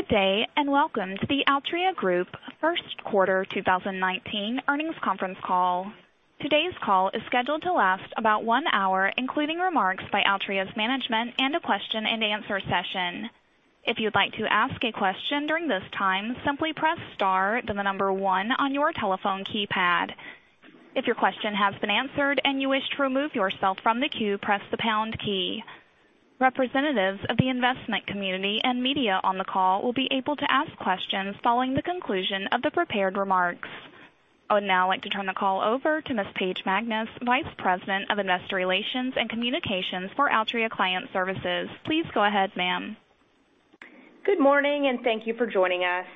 Good day, and welcome to the Altria Group first quarter 2019 earnings conference call. Today's call is scheduled to last about one hour, including remarks by Altria's management and a question and answer session. If you'd like to ask a question during this time, simply press star, then the number one on your telephone keypad. If your question has been answered and you wish to remove yourself from the queue, press the pound key. Representatives of the investment community and media on the call will be able to ask questions following the conclusion of the prepared remarks. I would now like to turn the call over to Ms. Paige Magness, Vice President of Investor Relations and Communications for Altria Client Services. Please go ahead, ma'am. Good morning, and thank you for joining us.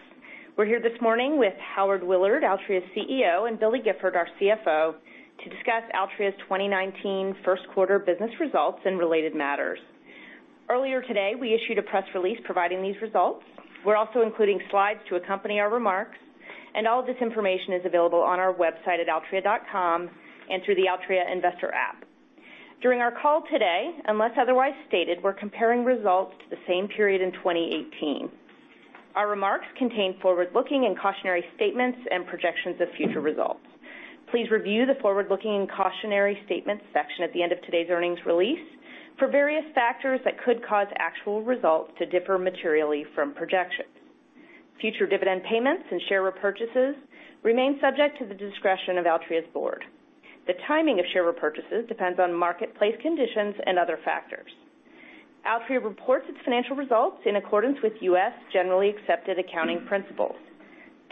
We're here this morning with Howard Willard, Altria's CEO, and Billy Gifford, our CFO, to discuss Altria's 2019 first quarter business results and related matters. Earlier today, we issued a press release providing these results. We're also including slides to accompany our remarks, and all this information is available on our website at altria.com and through the Altria investor app. During our call today, unless otherwise stated, we're comparing results to the same period in 2018. Our remarks contain forward-looking and cautionary statements and projections of future results. Please review the forward-looking cautionary statements section at the end of today's earnings release for various factors that could cause actual results to differ materially from projections. Future dividend payments and share repurchases remain subject to the discretion of Altria's board. The timing of share repurchases depends on marketplace conditions and other factors. Altria reports its financial results in accordance with U.S. generally accepted accounting principles.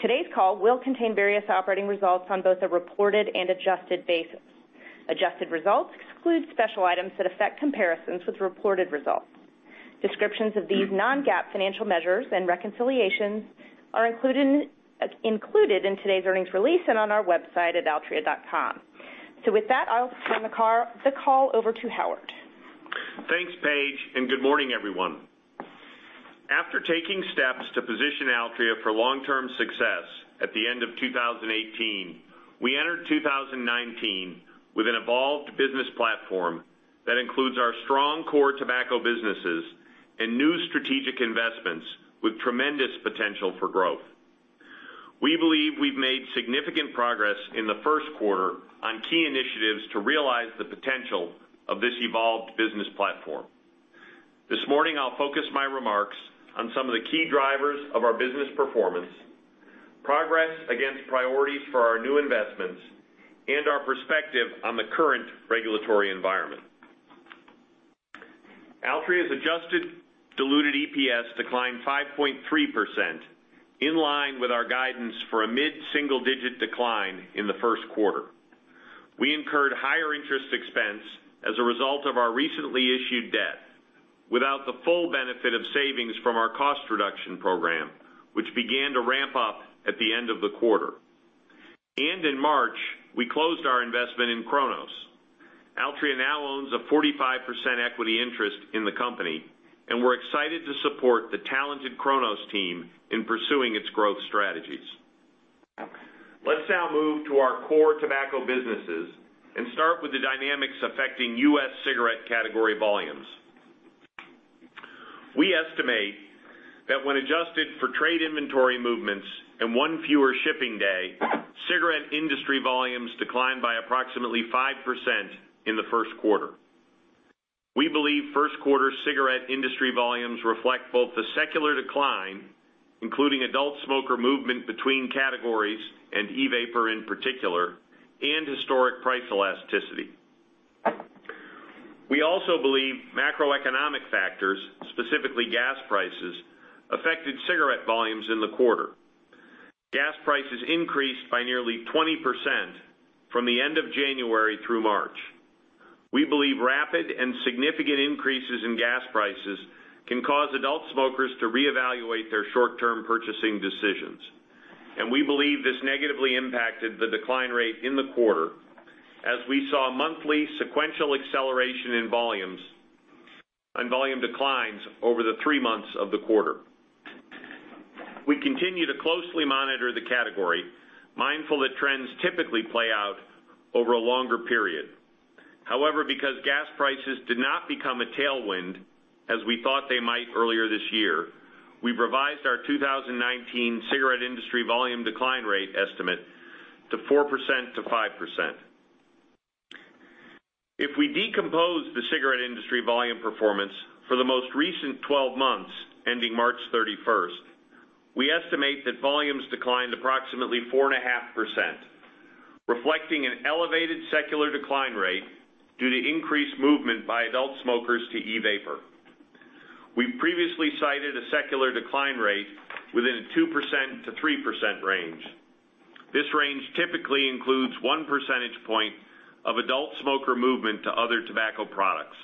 Today's call will contain various operating results on both a reported and adjusted basis. Adjusted results exclude special items that affect comparisons with reported results. Descriptions of these non-GAAP financial measures and reconciliations are included in today's earnings release and on our website at altria.com. With that, I'll turn the call over to Howard. Thanks, Paige, and good morning, everyone. After taking steps to position Altria for long-term success at the end of 2018, we entered 2019 with an evolved business platform that includes our strong core tobacco businesses and new strategic investments with tremendous potential for growth. We believe we've made significant progress in the first quarter on key initiatives to realize the potential of this evolved business platform. This morning, I'll focus my remarks on some of the key drivers of our business performance, progress against priorities for our new investments, and our perspective on the current regulatory environment. Altria's adjusted diluted EPS declined 5.3%, in line with our guidance for a mid-single-digit decline in the first quarter. We incurred higher interest expense as a result of our recently issued debt without the full benefit of savings from our cost reduction program, which began to ramp up at the end of the quarter. In March, we closed our investment in Cronos. Altria now owns a 45% equity interest in the company, and we're excited to support the talented Cronos team in pursuing its growth strategies. Let's now move to our core tobacco businesses and start with the dynamics affecting U.S. cigarette category volumes. We estimate that when adjusted for trade inventory movements and one fewer shipping day, cigarette industry volumes declined by approximately 5% in the first quarter. We believe first quarter cigarette industry volumes reflect both the secular decline, including adult smoker movement between categories and e-vapor in particular, and historic price elasticity. We also believe macroeconomic factors, specifically gas prices, affected cigarette volumes in the quarter. Gas prices increased by nearly 20% from the end of January through March. We believe rapid and significant increases in gas prices can cause adult smokers to reevaluate their short-term purchasing decisions, and we believe this negatively impacted the decline rate in the quarter as we saw monthly sequential acceleration in volumes and volume declines over the three months of the quarter. We continue to closely monitor the category, mindful that trends typically play out over a longer period. However, because gas prices did not become a tailwind as we thought they might earlier this year, we revised our 2019 cigarette industry volume decline rate estimate to 4%-5%. If we decompose the cigarette industry volume performance for the most recent 12 months ending March 31st, we estimate that volumes declined approximately 4.5%, reflecting an elevated secular decline rate due to increased movement by adult smokers to e-vapor. We previously cited a secular decline rate within a 2%-3% range. This range typically includes one percentage point of adult smoker movement to other tobacco products.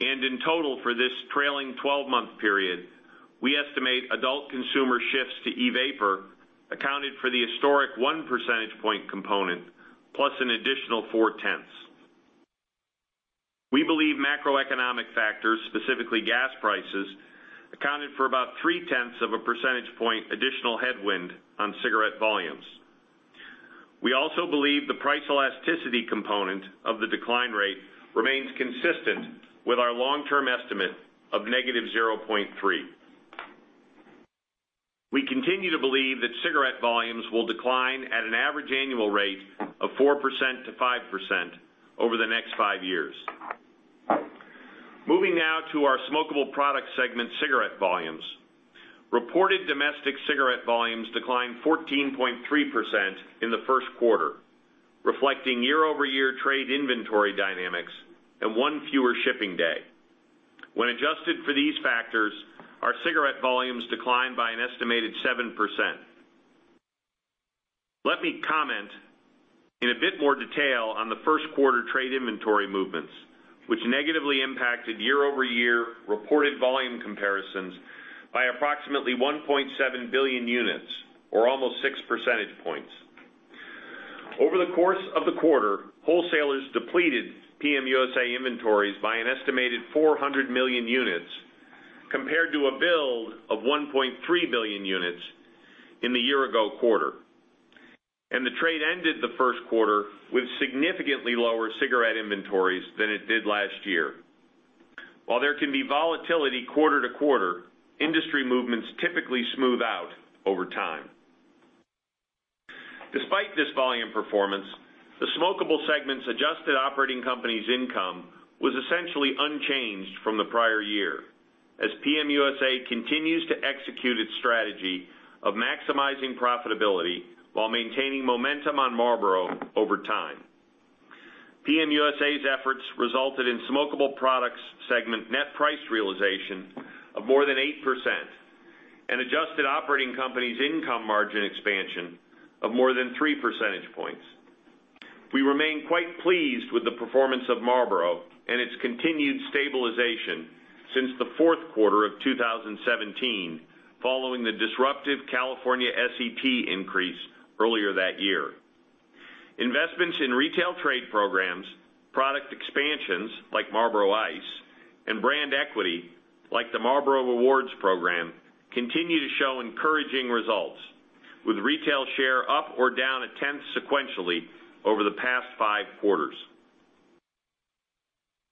In total, for this trailing 12-month period, we estimate adult consumer shifts to e-vapor accounted for the historic one percentage point component, plus an additional four-tenths. We believe macroeconomic factors, specifically gas prices, accounted for about three-tenths of a percentage point additional headwind on cigarette volumes. We also believe the price elasticity component of the decline rate remains consistent with our long-term estimate of negative 0.3. We continue to believe that cigarette volumes will decline at an average annual rate of 4%-5% over the next five years. Moving now to our smokable product segment cigarette volumes. Reported domestic cigarette volumes declined 14.3% in the first quarter, reflecting year-over-year trade inventory dynamics and one fewer shipping day. When adjusted for these factors, our cigarette volumes declined by an estimated 7%. Let me comment in a bit more detail on the first quarter trade inventory movements, which negatively impacted year-over-year reported volume comparisons by approximately 1.7 billion units or almost six percentage points. Over the course of the quarter, wholesalers depleted PM USA inventories by an estimated 400 million units, compared to a build of 1.3 billion units in the year-ago quarter. The trade ended the first quarter with significantly lower cigarette inventories than it did last year. While there can be volatility quarter-to-quarter, industry movements typically smooth out over time. Despite this volume performance, the smokable segment's adjusted operating companies income was essentially unchanged from the prior year, as PM USA continues to execute its strategy of maximizing profitability while maintaining momentum on Marlboro over time. PM USA's efforts resulted in smokable products segment net price realization of more than 8% and adjusted operating companies income margin expansion of more than three percentage points. We remain quite pleased with the performance of Marlboro and its continued stabilization since the fourth quarter of 2017, following the disruptive California SEP increase earlier that year. Investments in retail trade programs, product expansions like Marlboro Ice, and brand equity like the Marlboro Rewards program, continue to show encouraging results, with retail share up or down 0.1 sequentially over the past five quarters.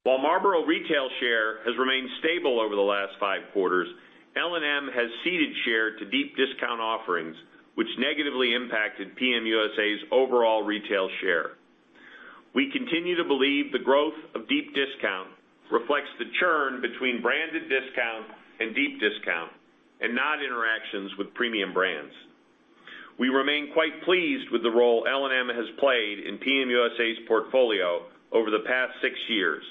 While Marlboro retail share has remained stable over the last five quarters, L&M has ceded share to deep discount offerings, which negatively impacted PM USA's overall retail share. We continue to believe the growth of deep discount reflects the churn between branded discount and deep discount, and not interactions with premium brands. We remain quite pleased with the role L&M has played in PM USA's portfolio over the past six years,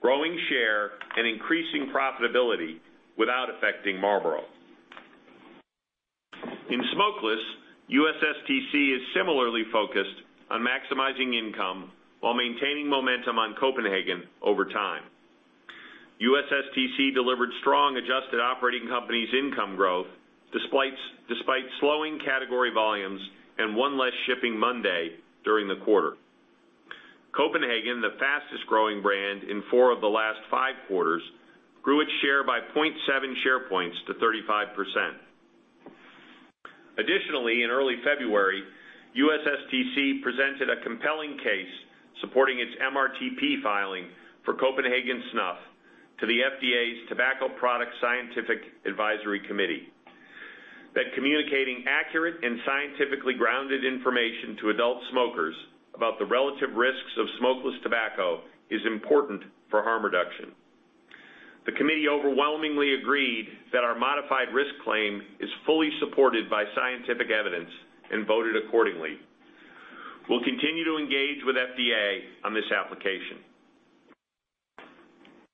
growing share and increasing profitability without affecting Marlboro. In Smokeless, USSTC is similarly focused on maximizing income while maintaining momentum on Copenhagen over time. USSTC delivered strong adjusted operating companies income growth despite slowing category volumes and one less shipping Monday during the quarter. Copenhagen, the fastest-growing brand in four of the last five quarters, grew its share by 0.7 share points to 35%. Additionally, in early February, USSTC presented a compelling case supporting its MRTP filing for Copenhagen snuff to the FDA's Tobacco Products Scientific Advisory Committee that communicating accurate and scientifically grounded information to adult smokers about the relative risks of smokeless tobacco is important for harm reduction. The committee overwhelmingly agreed that our modified risk claim is fully supported by scientific evidence and voted accordingly. We'll continue to engage with FDA on this application.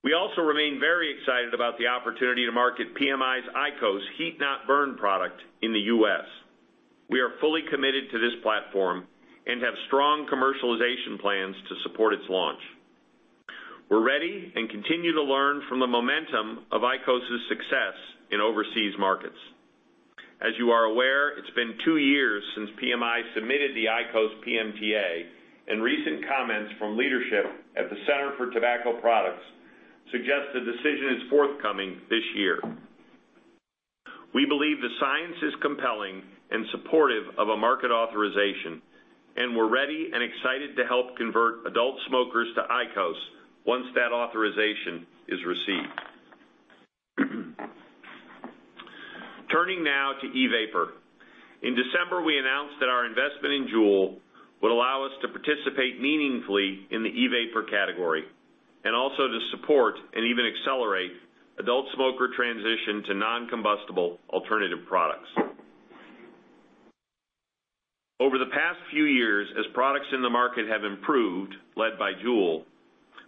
We also remain very excited about the opportunity to market PMI's IQOS heat-not-burn product in the U.S. We are fully committed to this platform and have strong commercialization plans to support its launch. We're ready and continue to learn from the momentum of IQOS' success in overseas markets. As you are aware, it's been two years since PMI submitted the IQOS PMTA. Recent comments from leadership at the Center for Tobacco Products suggest a decision is forthcoming this year. We believe the science is compelling and supportive of a market authorization. We're ready and excited to help convert adult smokers to IQOS once that authorization is received. Turning now to e-vapor. In December, we announced that our investment in JUUL would allow us to participate meaningfully in the e-vapor category and also to support and even accelerate adult smoker transition to non-combustible alternative products. Over the past few years, as products in the market have improved, led by JUUL,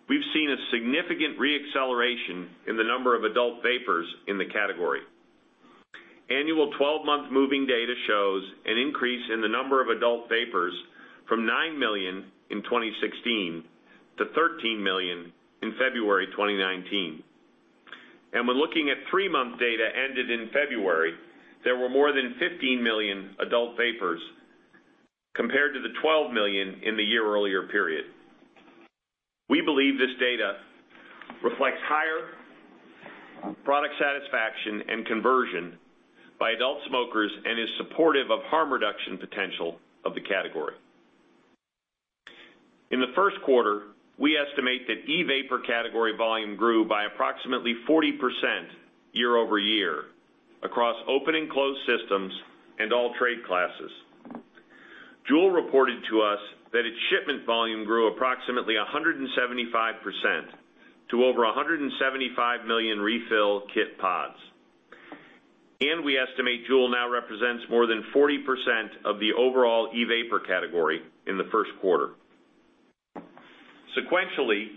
we've seen a significant re-acceleration in the number of adult vapers in the category. When looking at 3-month data ended in February, there were more than 15 million adult vapers compared to the 12 million in the year-earlier period. We believe this data reflects higher product satisfaction and conversion by adult smokers and is supportive of harm reduction potential of the category. In the first quarter, we estimate that e-vapor category volume grew by approximately 40% year-over-year across open and closed systems and all trade classes. JUUL reported to us that its shipment volume grew approximately 175% to over 175 million refill kit pods. We estimate JUUL now represents more than 40% of the overall e-vapor category in the first quarter. Sequentially,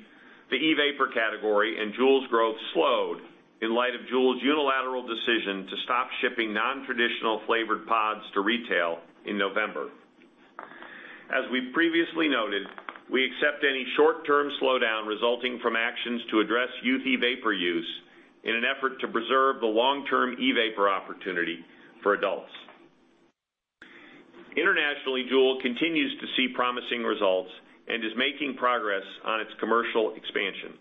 the e-vapor category and JUUL's growth slowed in light of JUUL's unilateral decision to stop shipping nontraditional flavored pods to retail in November. As we previously noted, we accept any short-term slowdown resulting from actions to address youth e-vapor use in an effort to preserve the long-term e-vapor opportunity for adults. Internationally, JUUL continues to see promising results and is making progress on its commercial expansion.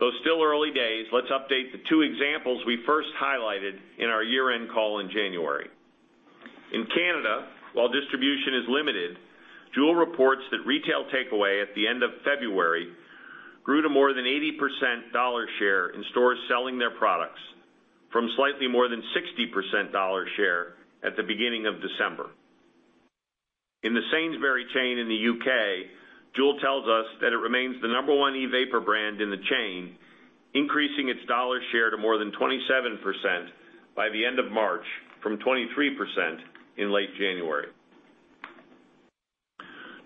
Though still early days, let's update the two examples we first highlighted in our year-end call in January. In Canada, while distribution is limited, JUUL reports that retail takeaway at the end of February grew to more than 80% dollar share in stores selling their products from slightly more than 60% dollar share at the beginning of December. In the Sainsbury chain in the U.K., JUUL tells us that it remains the number one e-vapor brand in the chain, increasing its dollar share to more than 27% by the end of March from 23% in late January.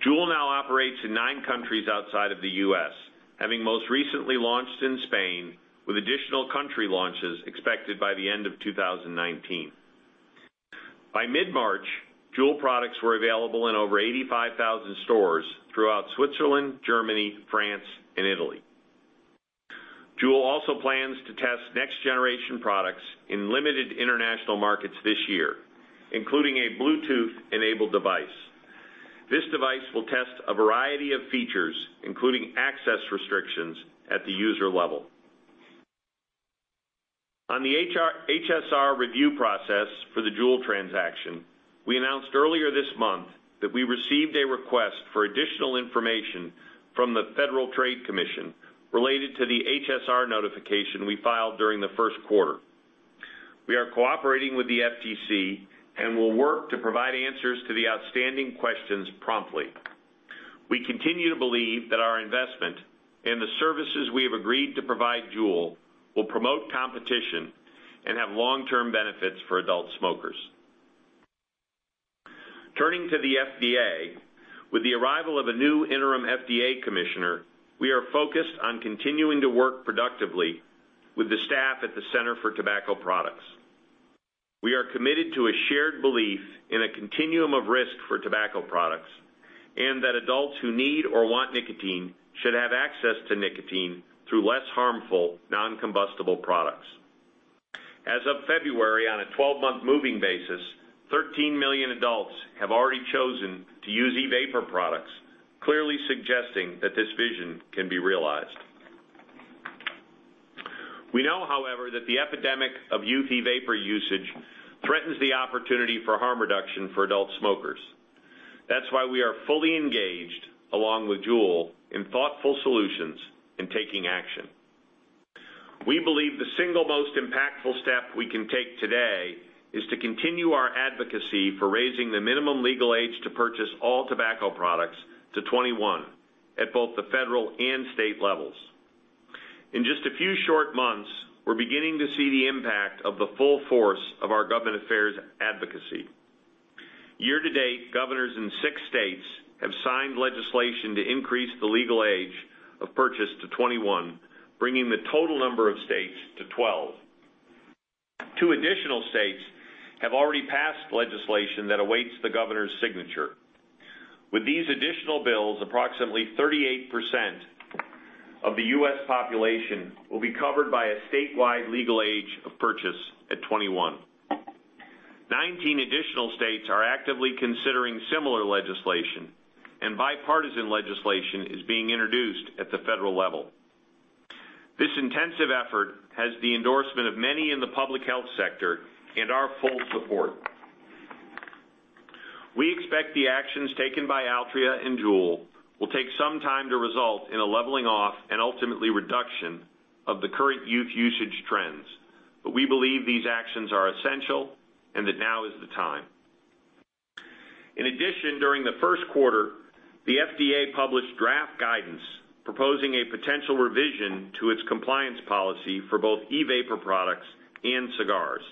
JUUL now operates in nine countries outside of the U.S., having most recently launched in Spain, with additional country launches expected by the end of 2019. By mid-March, JUUL products were available in over 8,500 stores throughout Switzerland, Germany, France, and Italy. JUUL also plans to test next-generation products in limited international markets this year, including a Bluetooth-enabled device. This device will test a variety of features, including access restrictions at the user level. On the HSR review process for the JUUL transaction, we announced earlier this month that we received a request for additional information from the Federal Trade Commission related to the HSR notification we filed during the first quarter. We are cooperating with the FTC and will work to provide answers to the outstanding questions promptly. We continue to believe that our investment in the services we have agreed to provide JUUL will promote competition and have long-term benefits for adult smokers. Turning to the FDA, with the arrival of a new interim FDA commissioner, we are focused on continuing to work productively with the staff at the Center for Tobacco Products. We are committed to a shared belief in a continuum of risk for tobacco products, and that adults who need or want nicotine should have access to nicotine through less harmful non-combustible products. As of February, on a 12-month moving basis, 13 million adults have already chosen to use e-vapor products, clearly suggesting that this vision can be realized. We know, however, that the epidemic of youth e-vapor usage threatens the opportunity for harm reduction for adult smokers. That's why we are fully engaged, along with JUUL, in thoughtful solutions in taking action. We believe the single most impactful step we can take today is to continue our advocacy for raising the minimum legal age to purchase all tobacco products to 21 at both the federal and state levels. In just a few short months, we're beginning to see the impact of the full force of our government affairs advocacy. Year to date, governors in six states have signed legislation to increase the legal age of purchase to 21, bringing the total number of states to 12. Two additional states have already passed legislation that awaits the governor's signature. With these additional bills, approximately 38% of the U.S. population will be covered by a statewide legal age of purchase at 21. 19 additional states are actively considering similar legislation, and bipartisan legislation is being introduced at the federal level. This intensive effort has the endorsement of many in the public health sector and our full support. We expect the actions taken by Altria and JUUL will take some time to result in a leveling off and ultimately reduction of the current youth usage trends. We believe these actions are essential and that now is the time. In addition, during the first quarter, the FDA published draft guidance proposing a potential revision to its compliance policy for both e-vapor products and cigars.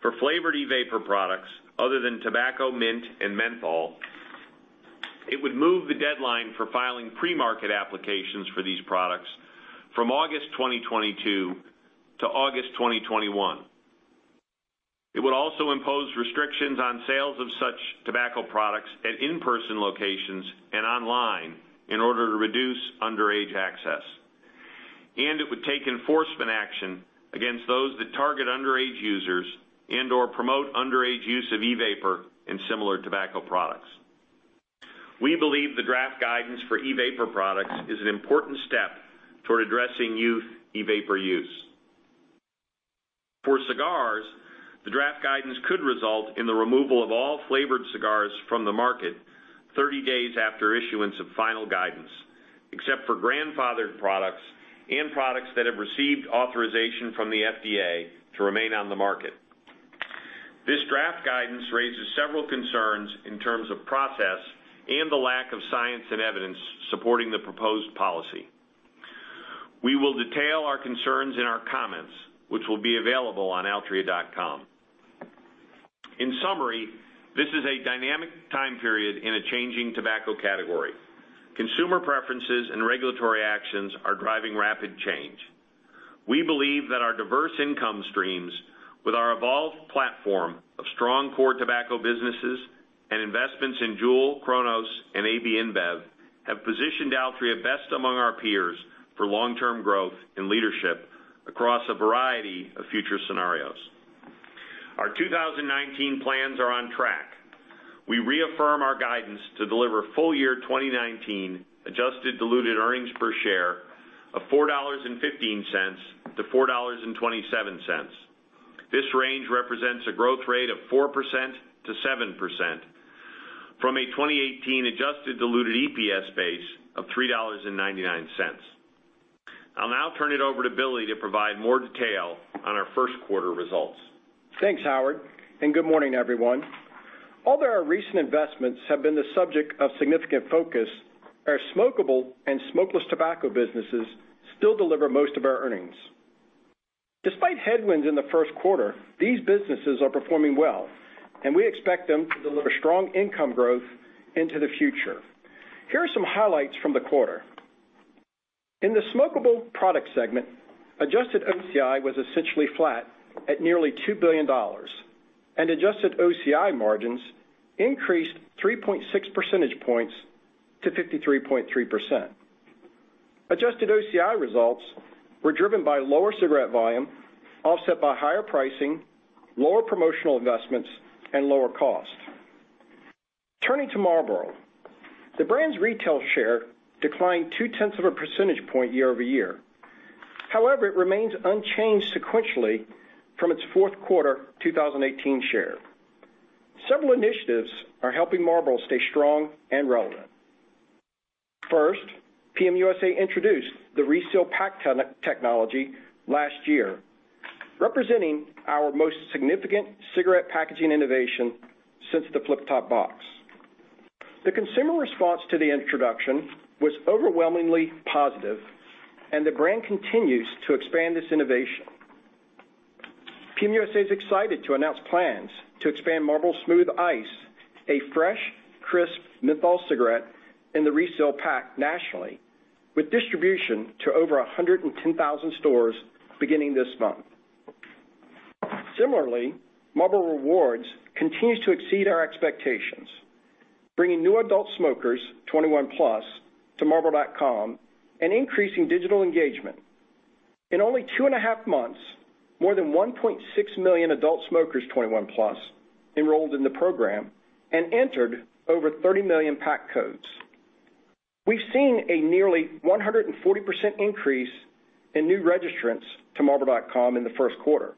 For flavored e-vapor products other than tobacco, mint, and menthol, it would move the deadline for filing pre-market applications for these products from August 2022 to August 2021. It would also impose restrictions on sales of such tobacco products at in-person locations and online in order to reduce underage access. It would take enforcement action against those that target underage users and/or promote underage use of e-vapor and similar tobacco products. We believe the draft guidance for e-vapor products is an important step toward addressing youth e-vapor use. For cigars, the draft guidance could result in the removal of all flavored cigars from the market 30 days after issuance of final guidance, except for grandfathered products and products that have received authorization from the FDA to remain on the market. This draft guidance raises several concerns in terms of process and the lack of science and evidence supporting the proposed policy. We will detail our concerns in our comments, which will be available on altria.com. In summary, this is a dynamic time period in a changing tobacco category. Consumer preferences and regulatory actions are driving rapid change. We believe that our diverse income streams with our evolved platform of strong core tobacco businesses and investments in JUUL, Cronos, and AB InBev have positioned Altria best among our peers for long-term growth and leadership across a variety of future scenarios. Our 2019 plans are on track. We reaffirm our guidance to deliver full-year 2019 adjusted diluted earnings per share of $4.15-$4.27. This range represents a growth rate of 4%-7% from a 2018 adjusted diluted EPS base of $3.99. I'll now turn it over to Billy to provide more detail on our first quarter results. Thanks, Howard. Good morning, everyone. Although our recent investments have been the subject of significant focus, our smokable and smokeless tobacco businesses still deliver most of our earnings. Despite headwinds in the first quarter, these businesses are performing well. We expect them to deliver strong income growth into the future. Here are some highlights from the quarter. In the smokable product segment, adjusted OCI was essentially flat at nearly $2 billion. Adjusted OCI margins increased 3.6 percentage points to 53.3%. Adjusted OCI results were driven by lower cigarette volume, offset by higher pricing, lower promotional investments, and lower cost. Turning to Marlboro. The brand's retail share declined two tenths of a percentage point year-over-year. However, it remains unchanged sequentially from its fourth quarter 2018 share. Several initiatives are helping Marlboro stay strong and relevant. First, PM USA introduced the Reseal pack technology last year, representing our most significant cigarette packaging innovation since the flip-top box. The consumer response to the introduction was overwhelmingly positive. The brand continues to expand this innovation. PM USA's excited to announce plans to expand Marlboro Smooth Ice, a fresh, crisp menthol cigarette in the Reseal pack nationally, with distribution to over 110,000 stores beginning this month. Similarly, Marlboro Rewards continues to exceed our expectations, bringing new adult smokers, 21 plus, to marlboro.com and increasing digital engagement. In only two and a half months, more than 1.6 million adult smokers, 21 plus, enrolled in the program and entered over 30 million pack codes. We've seen a nearly 140% increase in new registrants to marlboro.com in the first quarter.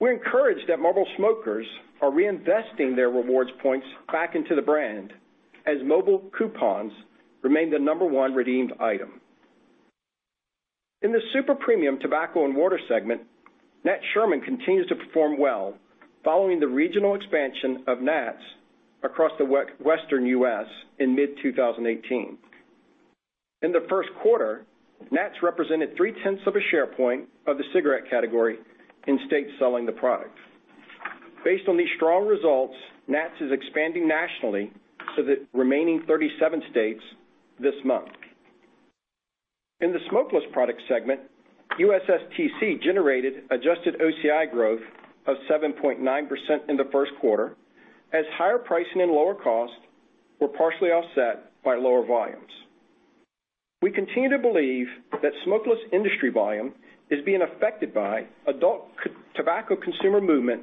We're encouraged that Marlboro smokers are reinvesting their rewards points back into the brand, as mobile coupons remain the number 1 redeemed item. In the super premium tobacco and [inaudible] segment, Nat Sherman continues to perform well following the regional expansion of Nat's across the Western U.S. in mid-2018. In the first quarter, Nat's represented three tenths of a share point of the cigarette category in states selling the product. Based on these strong results, Nat's is expanding nationally to the remaining 37 states this month. In the smokeless product segment, USSTC generated adjusted OCI growth of 7.9% in the first quarter as higher pricing and lower cost were partially offset by lower volumes. We continue to believe that smokeless industry volume is being affected by adult tobacco consumer movement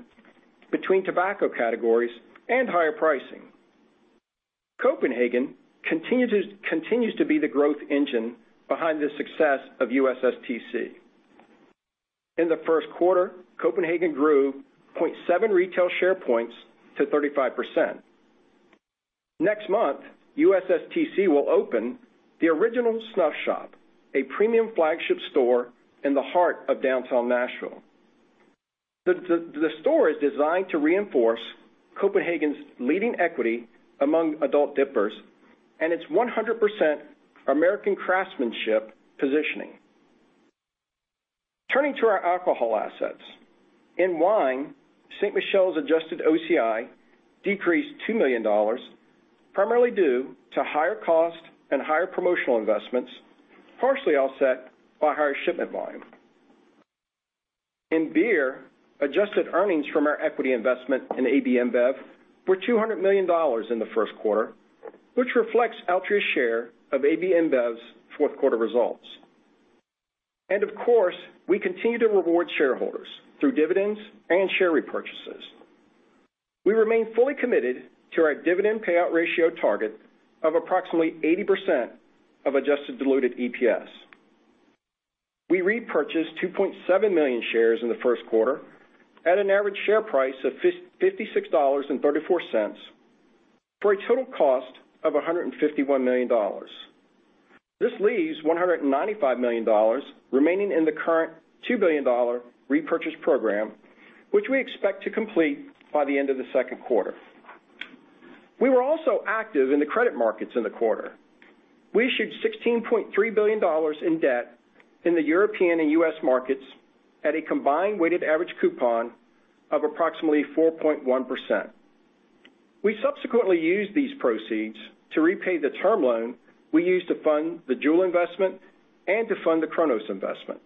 between tobacco categories and higher pricing. Copenhagen continues to be the growth engine behind the success of USSTC. In the first quarter, Copenhagen grew 0.7 retail share points to 35%. Next month, U.S. Smokeless Tobacco Company will open The Original Snuff Shop, a premium flagship store in the heart of downtown Nashville. The store is designed to reinforce Copenhagen's leading equity among adult dippers and its 100% American craftsmanship positioning. Turning to our alcohol assets. In wine, Ste. Michelle's adjusted OCI decreased $2 million, primarily due to higher cost and higher promotional investments, partially offset by higher shipment volume. In beer, adjusted earnings from our equity investment in AB InBev were $200 million in the first quarter, which reflects Altria's share of AB InBev's fourth quarter results. Of course, we continue to reward shareholders through dividends and share repurchases. We remain fully committed to our dividend payout ratio target of approximately 80% of adjusted diluted EPS. We repurchased 2.7 million shares in the first quarter at an average share price of $56.34 for a total cost of $151 million. This leaves $195 million remaining in the current $2 billion repurchase program, which we expect to complete by the end of the second quarter. We were also active in the credit markets in the quarter. We issued $16.3 billion in debt in the European and U.S. markets at a combined weighted average coupon of approximately 4.1%. We subsequently used these proceeds to repay the term loan we used to fund the JUUL investment and to fund the Cronos investment.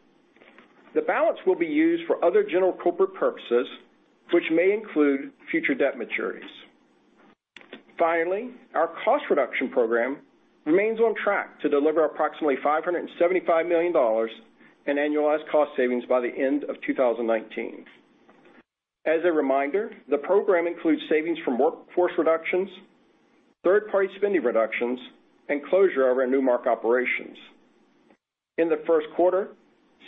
The balance will be used for other general corporate purposes, which may include future debt maturities. Finally, our cost reduction program remains on track to deliver approximately $575 million in annualized cost savings by the end of 2019. As a reminder, the program includes savings from workforce reductions, third-party spending reductions, and closure of our Nu Mark operations. In the first quarter,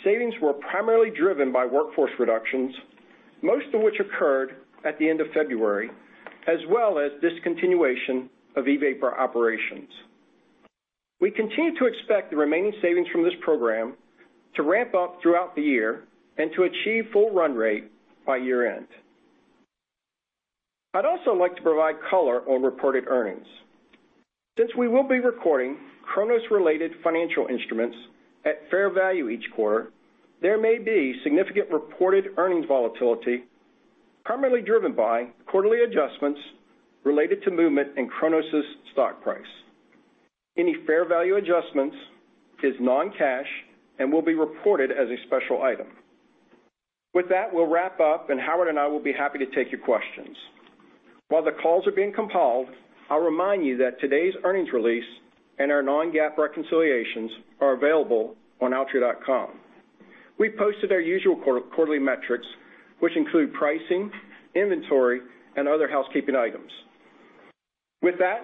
savings were primarily driven by workforce reductions, most of which occurred at the end of February, as well as discontinuation of e-vapor operations. We continue to expect the remaining savings from this program to ramp up throughout the year and to achieve full run rate by year-end. I'd also like to provide color on reported earnings. Since we will be recording Cronos-related financial instruments at fair value each quarter, there may be significant reported earnings volatility, primarily driven by quarterly adjustments related to movement in Cronos' stock price. Any fair value adjustments is non-cash and will be reported as a special item. With that, we'll wrap up, and Howard and I will be happy to take your questions. While the calls are being compiled, I'll remind you that today's earnings release and our non-GAAP reconciliations are available on altria.com. We posted our usual quarterly metrics, which include pricing, inventory, and other housekeeping items. With that,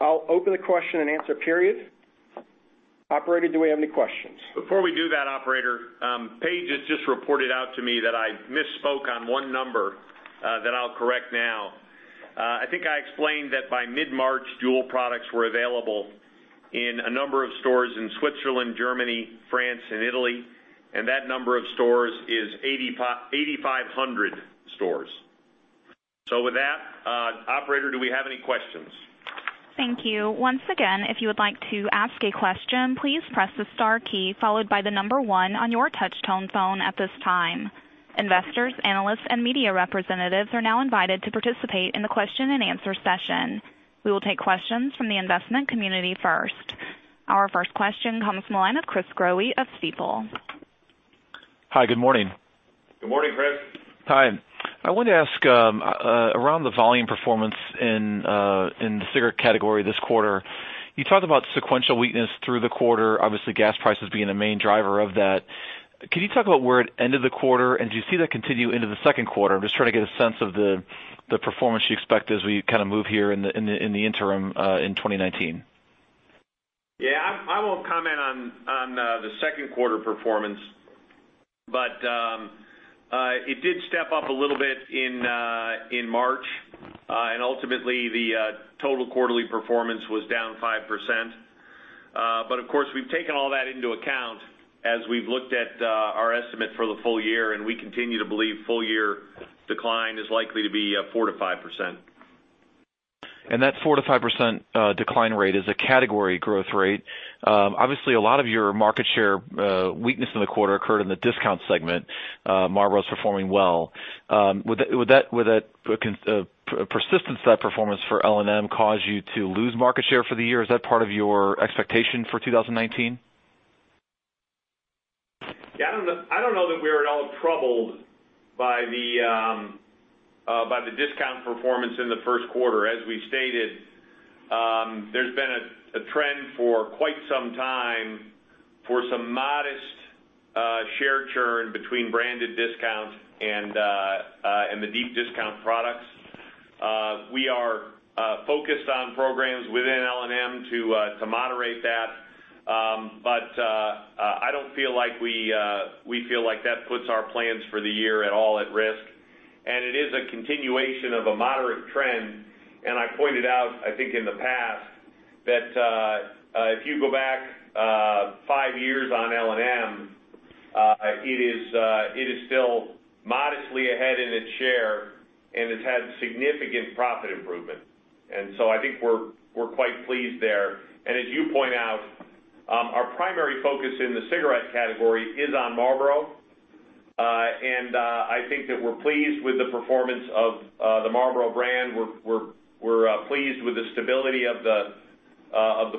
I'll open the question and answer period. Operator, do we have any questions? Before we do that, operator, Paige has just reported out to me that I misspoke on one number that I'll correct now. I think I explained that by mid-March, JUUL products were available in a number of stores in Switzerland, Germany, France, and Italy, and that number of stores is 8,500 stores. With that, operator, do we have any questions? Thank you. Once again, if you would like to ask a question, please press the star key followed by the number 1 on your touch-tone phone at this time. Investors, analysts, and media representatives are now invited to participate in the question and answer session. We will take questions from the investment community first. Our first question comes from the line of Chris Growe of Stifel. Hi, good morning. Good morning, Chris. Hi. I wanted to ask around the volume performance in the cigarette category this quarter. You talked about sequential weakness through the quarter, obviously gas prices being a main driver of that. Can you talk about where it ended the quarter, and do you see that continue into the second quarter? I'm just trying to get a sense of the performance you expect as we move here in the interim in 2019. Yeah, I won't comment on the second quarter performance, it did step up a little bit in March. Ultimately the total quarterly performance was down 5%. Of course, we've taken all that into account as we've looked at our estimate for the full year. We continue to believe full year decline is likely to be 4%-5%. That 4%-5% decline rate is a category growth rate. Obviously, a lot of your market share weakness in the quarter occurred in the discount segment. Marlboro's performing well. Would that persistence, that performance for L&M cause you to lose market share for the year? Is that part of your expectation for 2019? Yeah, I don't know that we are at all troubled by the discount performance in the first quarter. As we stated, there's been a trend for quite some time for some modest share churn between branded discounts and the deep discount products. We are focused on programs within L&M to moderate that, I don't feel like we feel like that puts our plans for the year at all at risk. It is a continuation of a moderate trend, I pointed out, I think in the past, that if you go back five years on L&M, it is still modestly ahead in its share. It's had significant profit improvement. I think we're quite pleased there. As you point out, our primary focus in the cigarette category is on Marlboro, I think that we're pleased with the performance of the Marlboro brand. We're pleased with the stability of the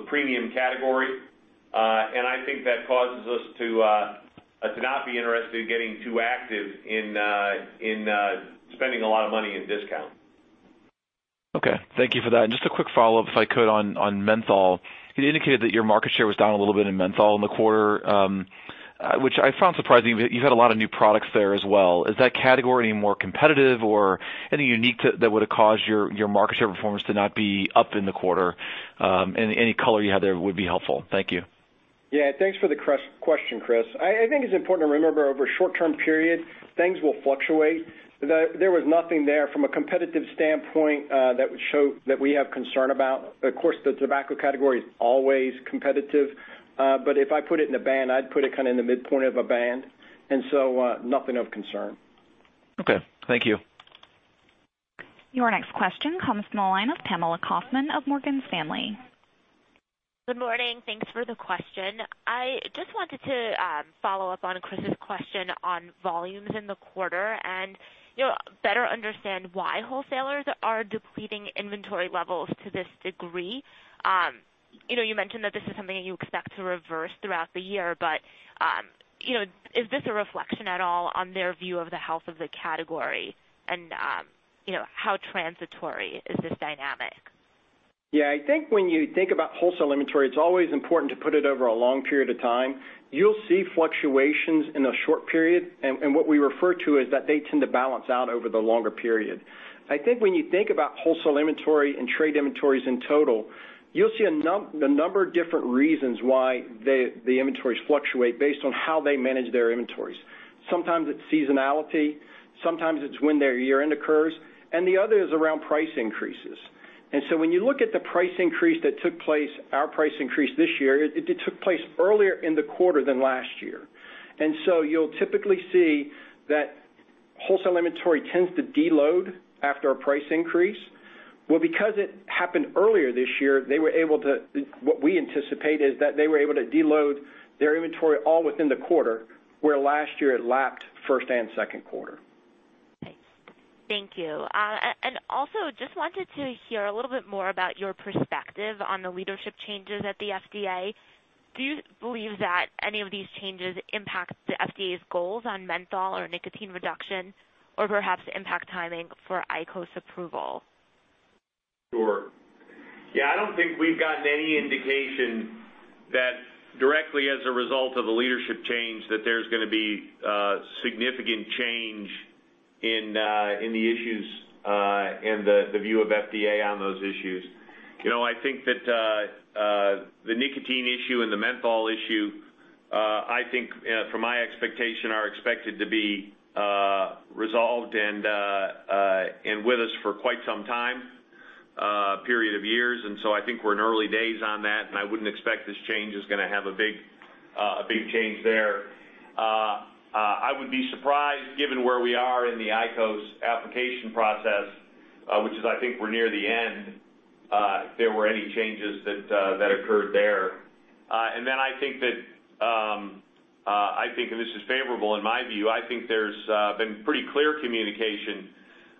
premium category. I think that causes us to not be interested in getting too active in spending a lot of money in discount. Okay. Thank you for that. Just a quick follow-up, if I could, on menthol. You'd indicated that your market share was down a little bit in menthol in the quarter, which I found surprising. You've had a lot of new products there as well. Is that category more competitive or anything unique that would have caused your market share performance to not be up in the quarter? Any color you have there would be helpful. Thank you. Yeah. Thanks for the question, Chris. I think it's important to remember over a short-term period, things will fluctuate. There was nothing there from a competitive standpoint that we have concern about. Of course, the tobacco category is always competitive. If I put it in a band, I'd put it kind of in the midpoint of a band, nothing of concern. Okay. Thank you. Your next question comes from the line of Pamela Kaufman of Morgan Stanley. Good morning. Thanks for the question. I just wanted to follow up on Chris's question on volumes in the quarter and better understand why wholesalers are depleting inventory levels to this degree. You mentioned that this is something that you expect to reverse throughout the year, but is this a reflection at all on their view of the health of the category? How transitory is this dynamic? Yeah, I think when you think about wholesale inventory, it's always important to put it over a long period of time. You'll see fluctuations in a short period, and what we refer to is that they tend to balance out over the longer period. I think when you think about wholesale inventory and trade inventories in total, you'll see a number of different reasons why the inventories fluctuate based on how they manage their inventories. Sometimes it's seasonality, sometimes it's when their year-end occurs, and the other is around price increases. When you look at the price increase that took place, our price increase this year, it took place earlier in the quarter than last year. You'll typically see that wholesale inventory tends to deload after a price increase. Well, because it happened earlier this year, what we anticipate is that they were able to deload their inventory all within the quarter, where last year it lapped first and second quarter. Thank you. Also, just wanted to hear a little bit more about your perspective on the leadership changes at the FDA. Do you believe that any of these changes impact the FDA's goals on menthol or nicotine reduction, or perhaps impact timing for IQOS approval? Sure. Yeah, I don't think we've gotten any indication that directly as a result of a leadership change, that there's going to be significant change in the view of FDA on those issues. I think that the nicotine issue and the menthol issue, I think from my expectation, are expected to be resolved and with us for quite some time, a period of years. So I think we're in early days on that, and I wouldn't expect this change is going to have a big change there. I would be surprised, given where we are in the IQOS application process, which is I think we're near the end, if there were any changes that occurred there. I think, this is favorable in my view, I think there's been pretty clear communication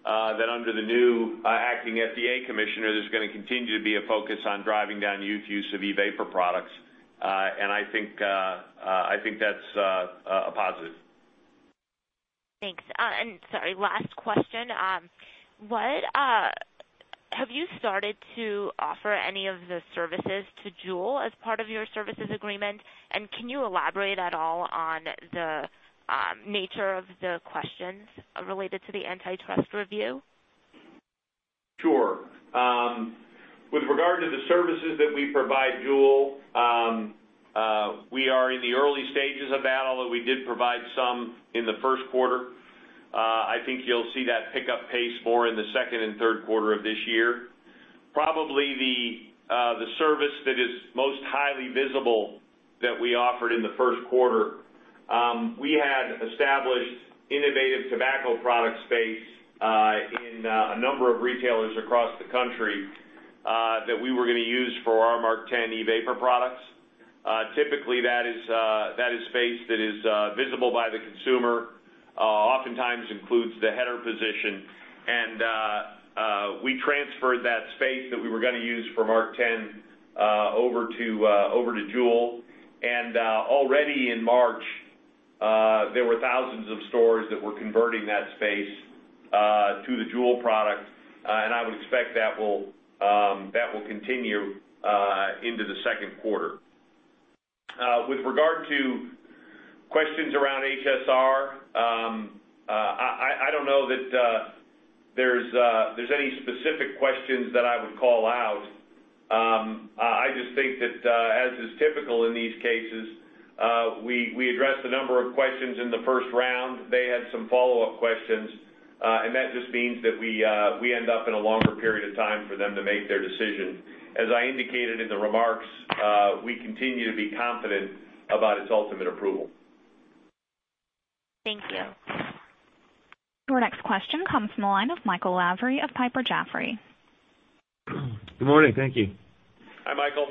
that under the new acting FDA commissioner, there's going to continue to be a focus on driving down youth use of e-vapor products. I think that's a positive. Thanks. Sorry, last question. Have you started to offer any of the services to JUUL as part of your services agreement? Can you elaborate at all on the nature of the questions related to the antitrust review? Sure. With regard to the services that we provide JUUL, we are in the early stages of that, although we did provide some in the first quarter. I think you'll see that pick up pace more in the second and third quarter of this year. Probably the service that is most highly visible that we offered in the first quarter, we had established innovative tobacco product space in a number of retailers across the country that we were going to use for our MarkTen e-vapor products. Typically, that is space that is visible by the consumer, oftentimes includes the header position. We transferred that space that we were going to use for MarkTen over to JUUL. Already in March, there were thousands of stores that were converting that space to the JUUL product, and I would expect that will continue into the second quarter. With regard to questions around HSR, I don't know that there's any specific questions that I would call out. I just think that, as is typical in these cases, we addressed a number of questions in the first round. They had some follow-up questions, and that just means that we end up in a longer period of time for them to make their decision. As I indicated in the remarks, we continue to be confident about its ultimate approval. Thank you. Your next question comes from the line of Michael Lavery of Piper Jaffray. Good morning. Thank you. Hi, Michael.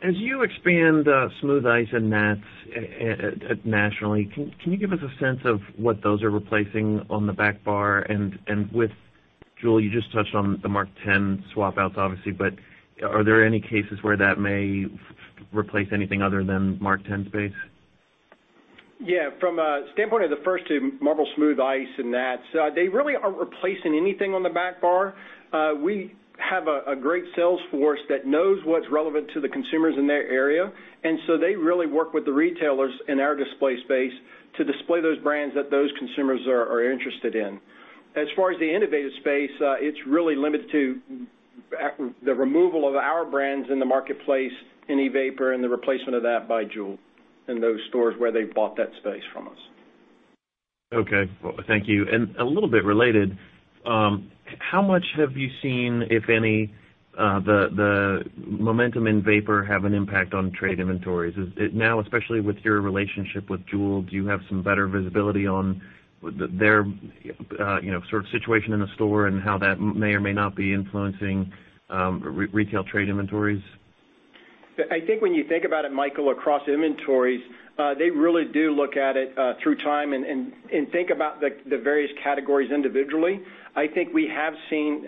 As you expand Smooth Ice and Nat's nationally, can you give us a sense of what those are replacing on the back bar? With JUUL, you just touched on the MarkTen swap-outs, obviously, but are there any cases where that may replace anything other than MarkTen space? Yeah, from a standpoint of the first two, Marlboro Smooth Ice and Nat's, they really aren't replacing anything on the back bar. We have a great sales force that knows what's relevant to the consumers in their area, they really work with the retailers in our display space to display those brands that those consumers are interested in. As far as the innovative space, it's really limited to the removal of our brands in the marketplace in e-vapor and the replacement of that by JUUL in those stores where they've bought that space from us. Okay. Well, thank you. A little bit related, how much have you seen, if any, the momentum in e-vapor have an impact on trade inventories? Now, especially with your relationship with JUUL, do you have some better visibility on their situation in the store and how that may or may not be influencing retail trade inventories? I think when you think about it, Michael, across inventories, they really do look at it through time and think about the various categories individually. I think we have seen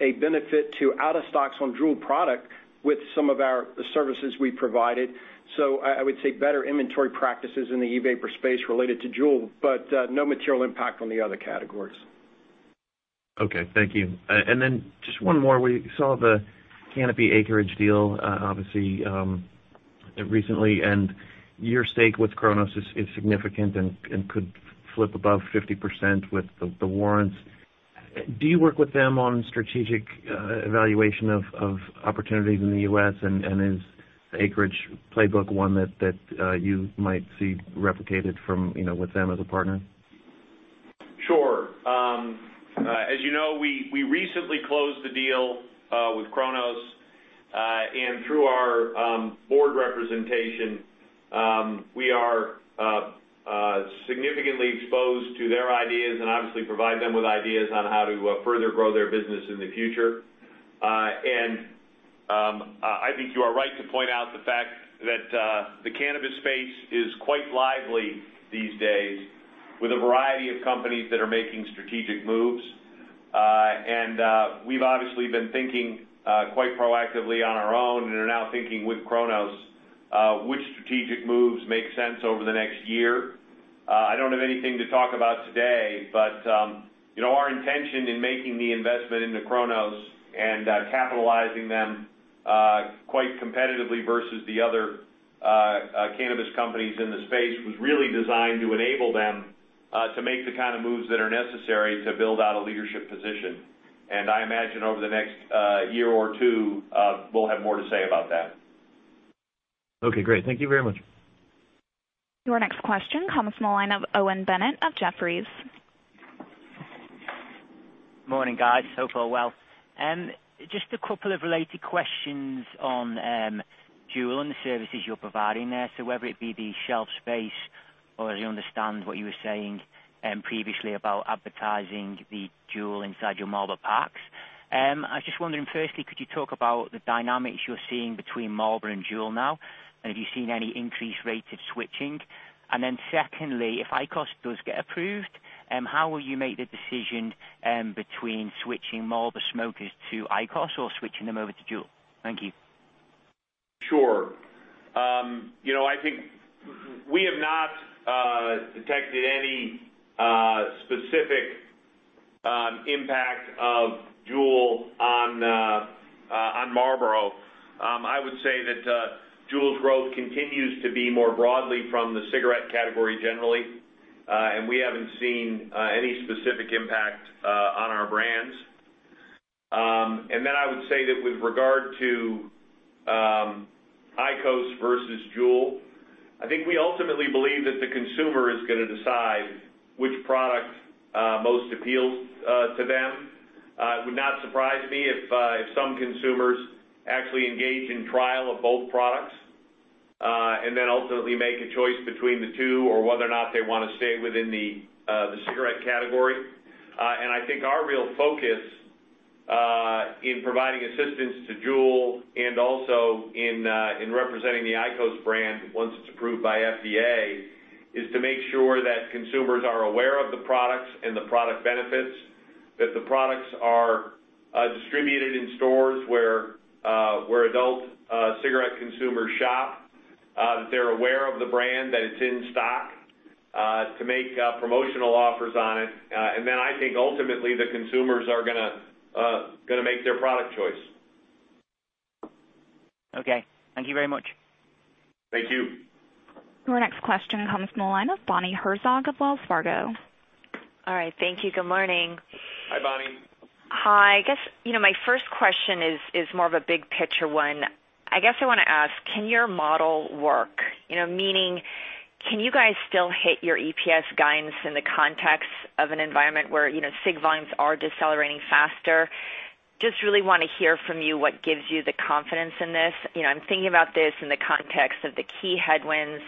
a benefit to out-of-stocks on JUUL product with some of our services we provided. I would say better inventory practices in the e-vapor space related to JUUL, but no material impact on the other categories. Okay. Thank you. Just one more. We saw the Canopy Acreage deal, obviously, recently, and your stake with Cronos is significant and could flip above 50% with the warrants. Do you work with them on strategic evaluation of opportunities in the U.S., and is Acreage playbook one that you might see replicated with them as a partner? Sure. As you know, we recently closed the deal with Cronos. Through our board representation, we are significantly exposed to their ideas and obviously provide them with ideas on how to further grow their business in the future. I think you are right to point out the fact that the cannabis space is quite lively these days with a variety of companies that are making strategic moves. We've obviously been thinking quite proactively on our own and are now thinking with Cronos which strategic moves make sense over the next year. I don't have anything to talk about today, our intention in making the investment into Cronos and capitalizing them quite competitively versus the other cannabis companies in the space was really designed to enable them to make the kind of moves that are necessary to build out a leadership position. I imagine over the next year or two, we'll have more to say about that. Okay, great. Thank you very much. Your next question comes from the line of Owen Bennett of Jefferies. Morning, guys. Hope all well. Just a couple of related questions on JUUL and the services you're providing there. Whether it be the shelf space or, as you understand what you were saying previously about advertising the JUUL inside your Marlboro packs. I was just wondering, firstly, could you talk about the dynamics you're seeing between Marlboro and JUUL now? Have you seen any increased rates of switching? Then secondly, if IQOS does get approved, how will you make the decision between switching Marlboro smokers to IQOS or switching them over to JUUL? Thank you. Sure. I think we have not detected any specific impact of JUUL on Marlboro. I would say that JUUL's growth continues to be more broadly from the cigarette category generally, we haven't seen any specific impact on our brands. I would say that with regard to IQOS versus JUUL, I think we ultimately believe that the consumer is going to decide which product most appeals to them. It would not surprise me if some consumers actually engage in trial of both products, ultimately make a choice between the two or whether or not they want to stay within the cigarette category. I think our real focus in providing assistance to JUUL and also in representing the IQOS brand, once it's approved by FDA, is to make sure that consumers are aware of the products and the product benefits, that the products are distributed in stores where adult cigarette consumers shop, that they're aware of the brand, that it's in stock to make promotional offers on it. I think ultimately, the consumers are going to make their product choice. Okay. Thank you very much. Thank you. Your next question comes from the line of Bonnie Herzog of Wells Fargo. All right. Thank you. Good morning. Hi, Bonnie. Hi. I guess my first question is more of a big picture one. I guess I want to ask, can your model work? Meaning, can you guys still hit your EPS guidance in the context of an environment where cig volumes are decelerating faster? Just really want to hear from you what gives you the confidence in this. I'm thinking about this in the context of the key headwinds,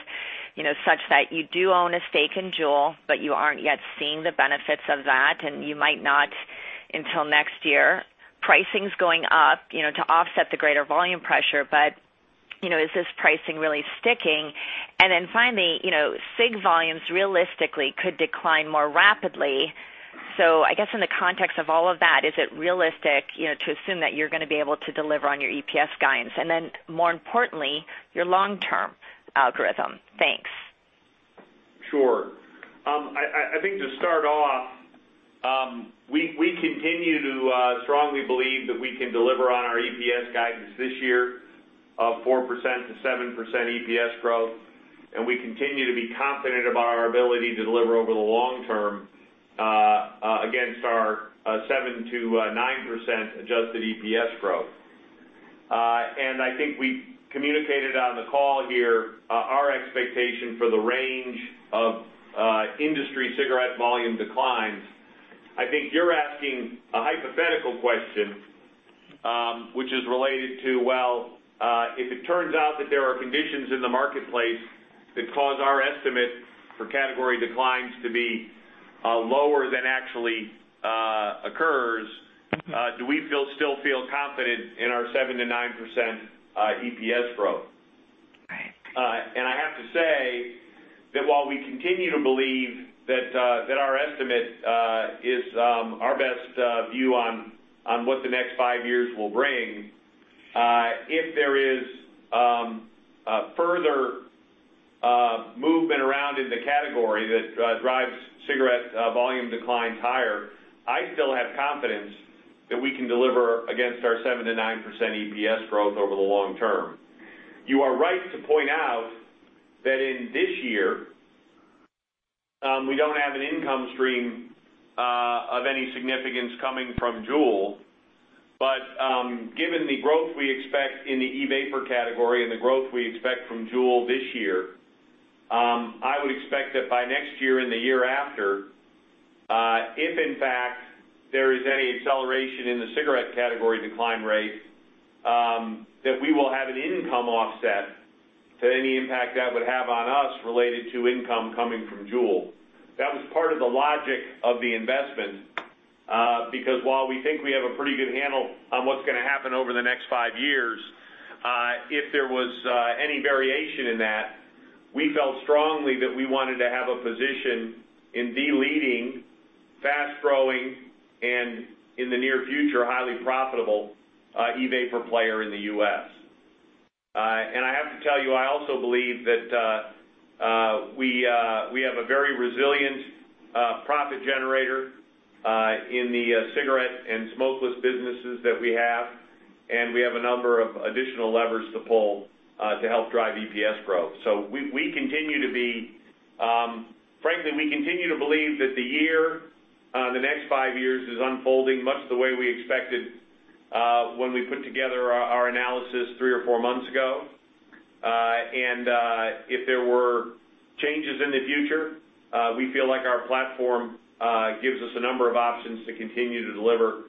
such that you do own a stake in JUUL, but you aren't yet seeing the benefits of that, and you might not until next year. Pricing's going up to offset the greater volume pressure, but is this pricing really sticking? Finally, cig volumes realistically could decline more rapidly. I guess in the context of all of that, is it realistic to assume that you're going to be able to deliver on your EPS guidance, more importantly, your long-term algorithm? Thanks. Sure. I think to start off, we continue to strongly believe that we can deliver on our EPS guidance this year of 4%-7% EPS growth, we continue to be confident about our ability to deliver over the long term against our 7%-9% adjusted EPS growth. I think we communicated on the call here our expectation for the range of industry cigarette volume declines. I think you're asking a hypothetical question, which is related to, well, if it turns out that there are conditions in the marketplace that cause our estimate for category declines to be lower than actually occurs, do we still feel confident in our 7%-9% EPS growth? Right. I have to say that while we continue to believe that our estimate is our best view on what the next five years will bring, if there is further movement around in the category that drives cigarette volume declines higher, I still have confidence that we can deliver against our 7%-9% EPS growth over the long term. You are right to point out that in this year, we don't have an income stream of any significance coming from JUUL. Given the growth we expect in the e-vapor category and the growth we expect from JUUL this year, I would expect that by next year and the year after, if in fact there is any acceleration in the cigarette category decline rate, that we will have an income offset to any impact that would have on us related to income coming from JUUL. That was part of the logic of the investment, because while we think we have a pretty good handle on what's going to happen over the next five years, if there was any variation in that, we felt strongly that we wanted to have a position in the leading fast-growing and, in the near future, highly profitable e-vapor player in the U.S. I have to tell you, I also believe that we have a very resilient profit generator in the cigarette and smokeless businesses that we have, we have a number of additional levers to pull to help drive EPS growth. Frankly, we continue to believe that the next five years is unfolding much the way we expected when we put together our analysis three or four months ago. If there were changes in the future, we feel like our platform gives us a number of options to continue to deliver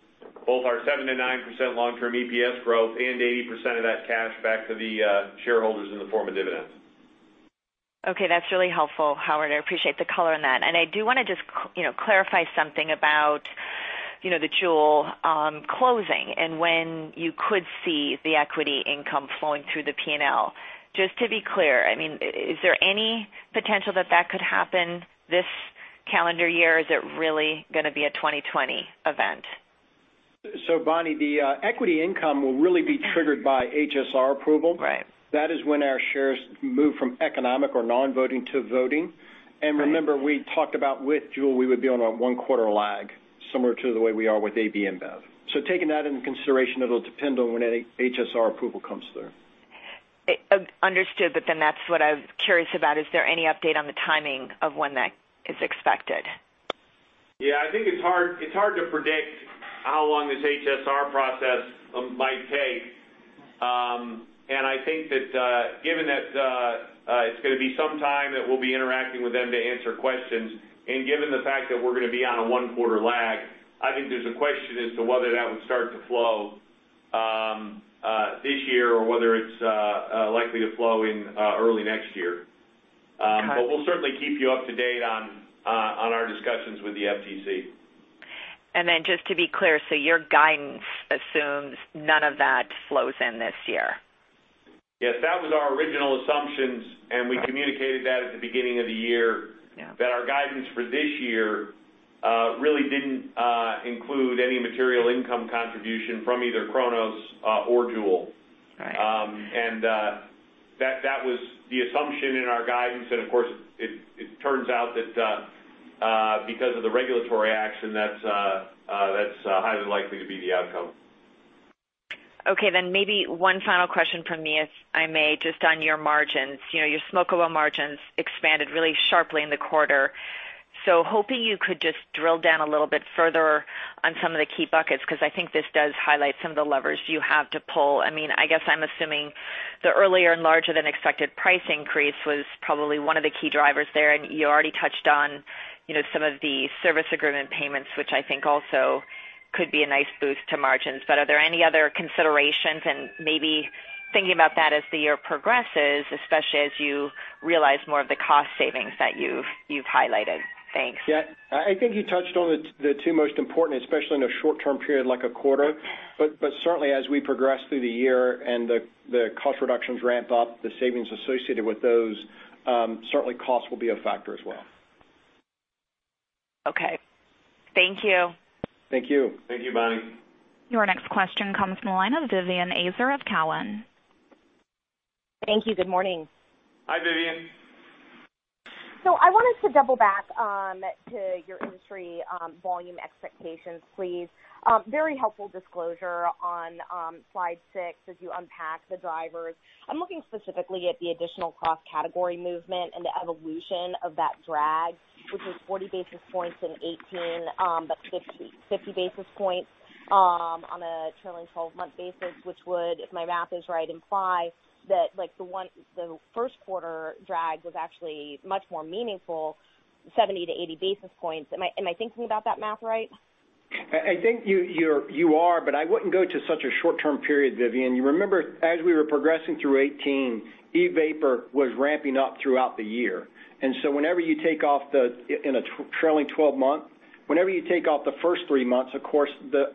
both our 7% to 9% long-term EPS growth and 80% of that cash back to the shareholders in the form of dividends. Okay. That's really helpful, Howard. I appreciate the color on that. I do want to just clarify something about the JUUL closing and when you could see the equity income flowing through the P&L. Just to be clear, is there any potential that that could happen this calendar year? Is it really going to be a 2020 event? Bonnie, the equity income will really be triggered by HSR approval. Right. That is when our shares move from economic or non-voting to voting. Right. Remember, we talked about with JUUL, we would be on a one-quarter lag, similar to the way we are with Anheuser-Busch InBev. Taking that into consideration, it'll depend on when HSR approval comes through. Understood, that's what I was curious about. Is there any update on the timing of when that is expected? Yeah, I think it's hard to predict how long this HSR process might take. I think that given that it's going to be some time that we'll be interacting with them to answer questions, given the fact that we're going to be on a one-quarter lag, I think there's a question as to whether that would start to flow this year or whether it's likely to flow in early next year. Got it. We'll certainly keep you up to date on our discussions with the FTC. Just to be clear, your guidance assumes none of that flows in this year? Yes, that was our original assumptions, and we communicated that at the beginning of the year. Yeah. Our guidance for this year really didn't include any material income contribution from either Cronos or JUUL. Right. That was the assumption in our guidance. Of course, it turns out that because of the regulatory action, that is highly likely to be the outcome. Okay, maybe one final question from me, if I may, just on your margins. Your smokeable margins expanded really sharply in the quarter. Hoping you could just drill down a little bit further on some of the key buckets, because I think this does highlight some of the levers you have to pull. I guess I am assuming the earlier and larger than expected price increase was probably one of the key drivers there, and you already touched on some of the service agreement payments, which I think also could be a nice boost to margins. Are there any other considerations and maybe thinking about that as the year progresses, especially as you realize more of the cost savings that you have highlighted? Thanks. Yeah. I think he touched on the two most important, especially in a short-term period like a quarter. Certainly, as we progress through the year and the cost reductions ramp up, the savings associated with those, certainly cost will be a factor as well. Okay. Thank you. Thank you. Thank you, Bonnie. Your next question comes from the line of Vivien Azer of Cowen. Thank you. Good morning. Hi, Vivien. I wanted to double back to your industry volume expectations, please. Very helpful disclosure on slide six as you unpack the drivers. I'm looking specifically at the additional cross-category movement and the evolution of that drag, which was 40 basis points in 2018, but 50 basis points on a trailing 12-month basis, which would, if my math is right, imply that the first quarter drag was actually much more meaningful, 70-80 basis points. Am I thinking about that math right? I think you are, but I wouldn't go to such a short-term period, Vivien. You remember, as we were progressing through 2018, e-vapor was ramping up throughout the year. Whenever you take off in a trailing 12-month, whenever you take off the first three months, of course,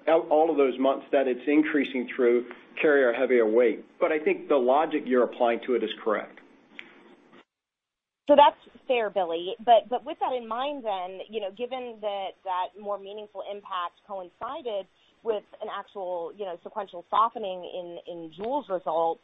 all of those months that it's increasing through carry a heavier weight. I think the logic you're applying to it is correct. That's fair, Billy. With that in mind then, given that that more meaningful impact coincided with an actual sequential softening in JUUL's results,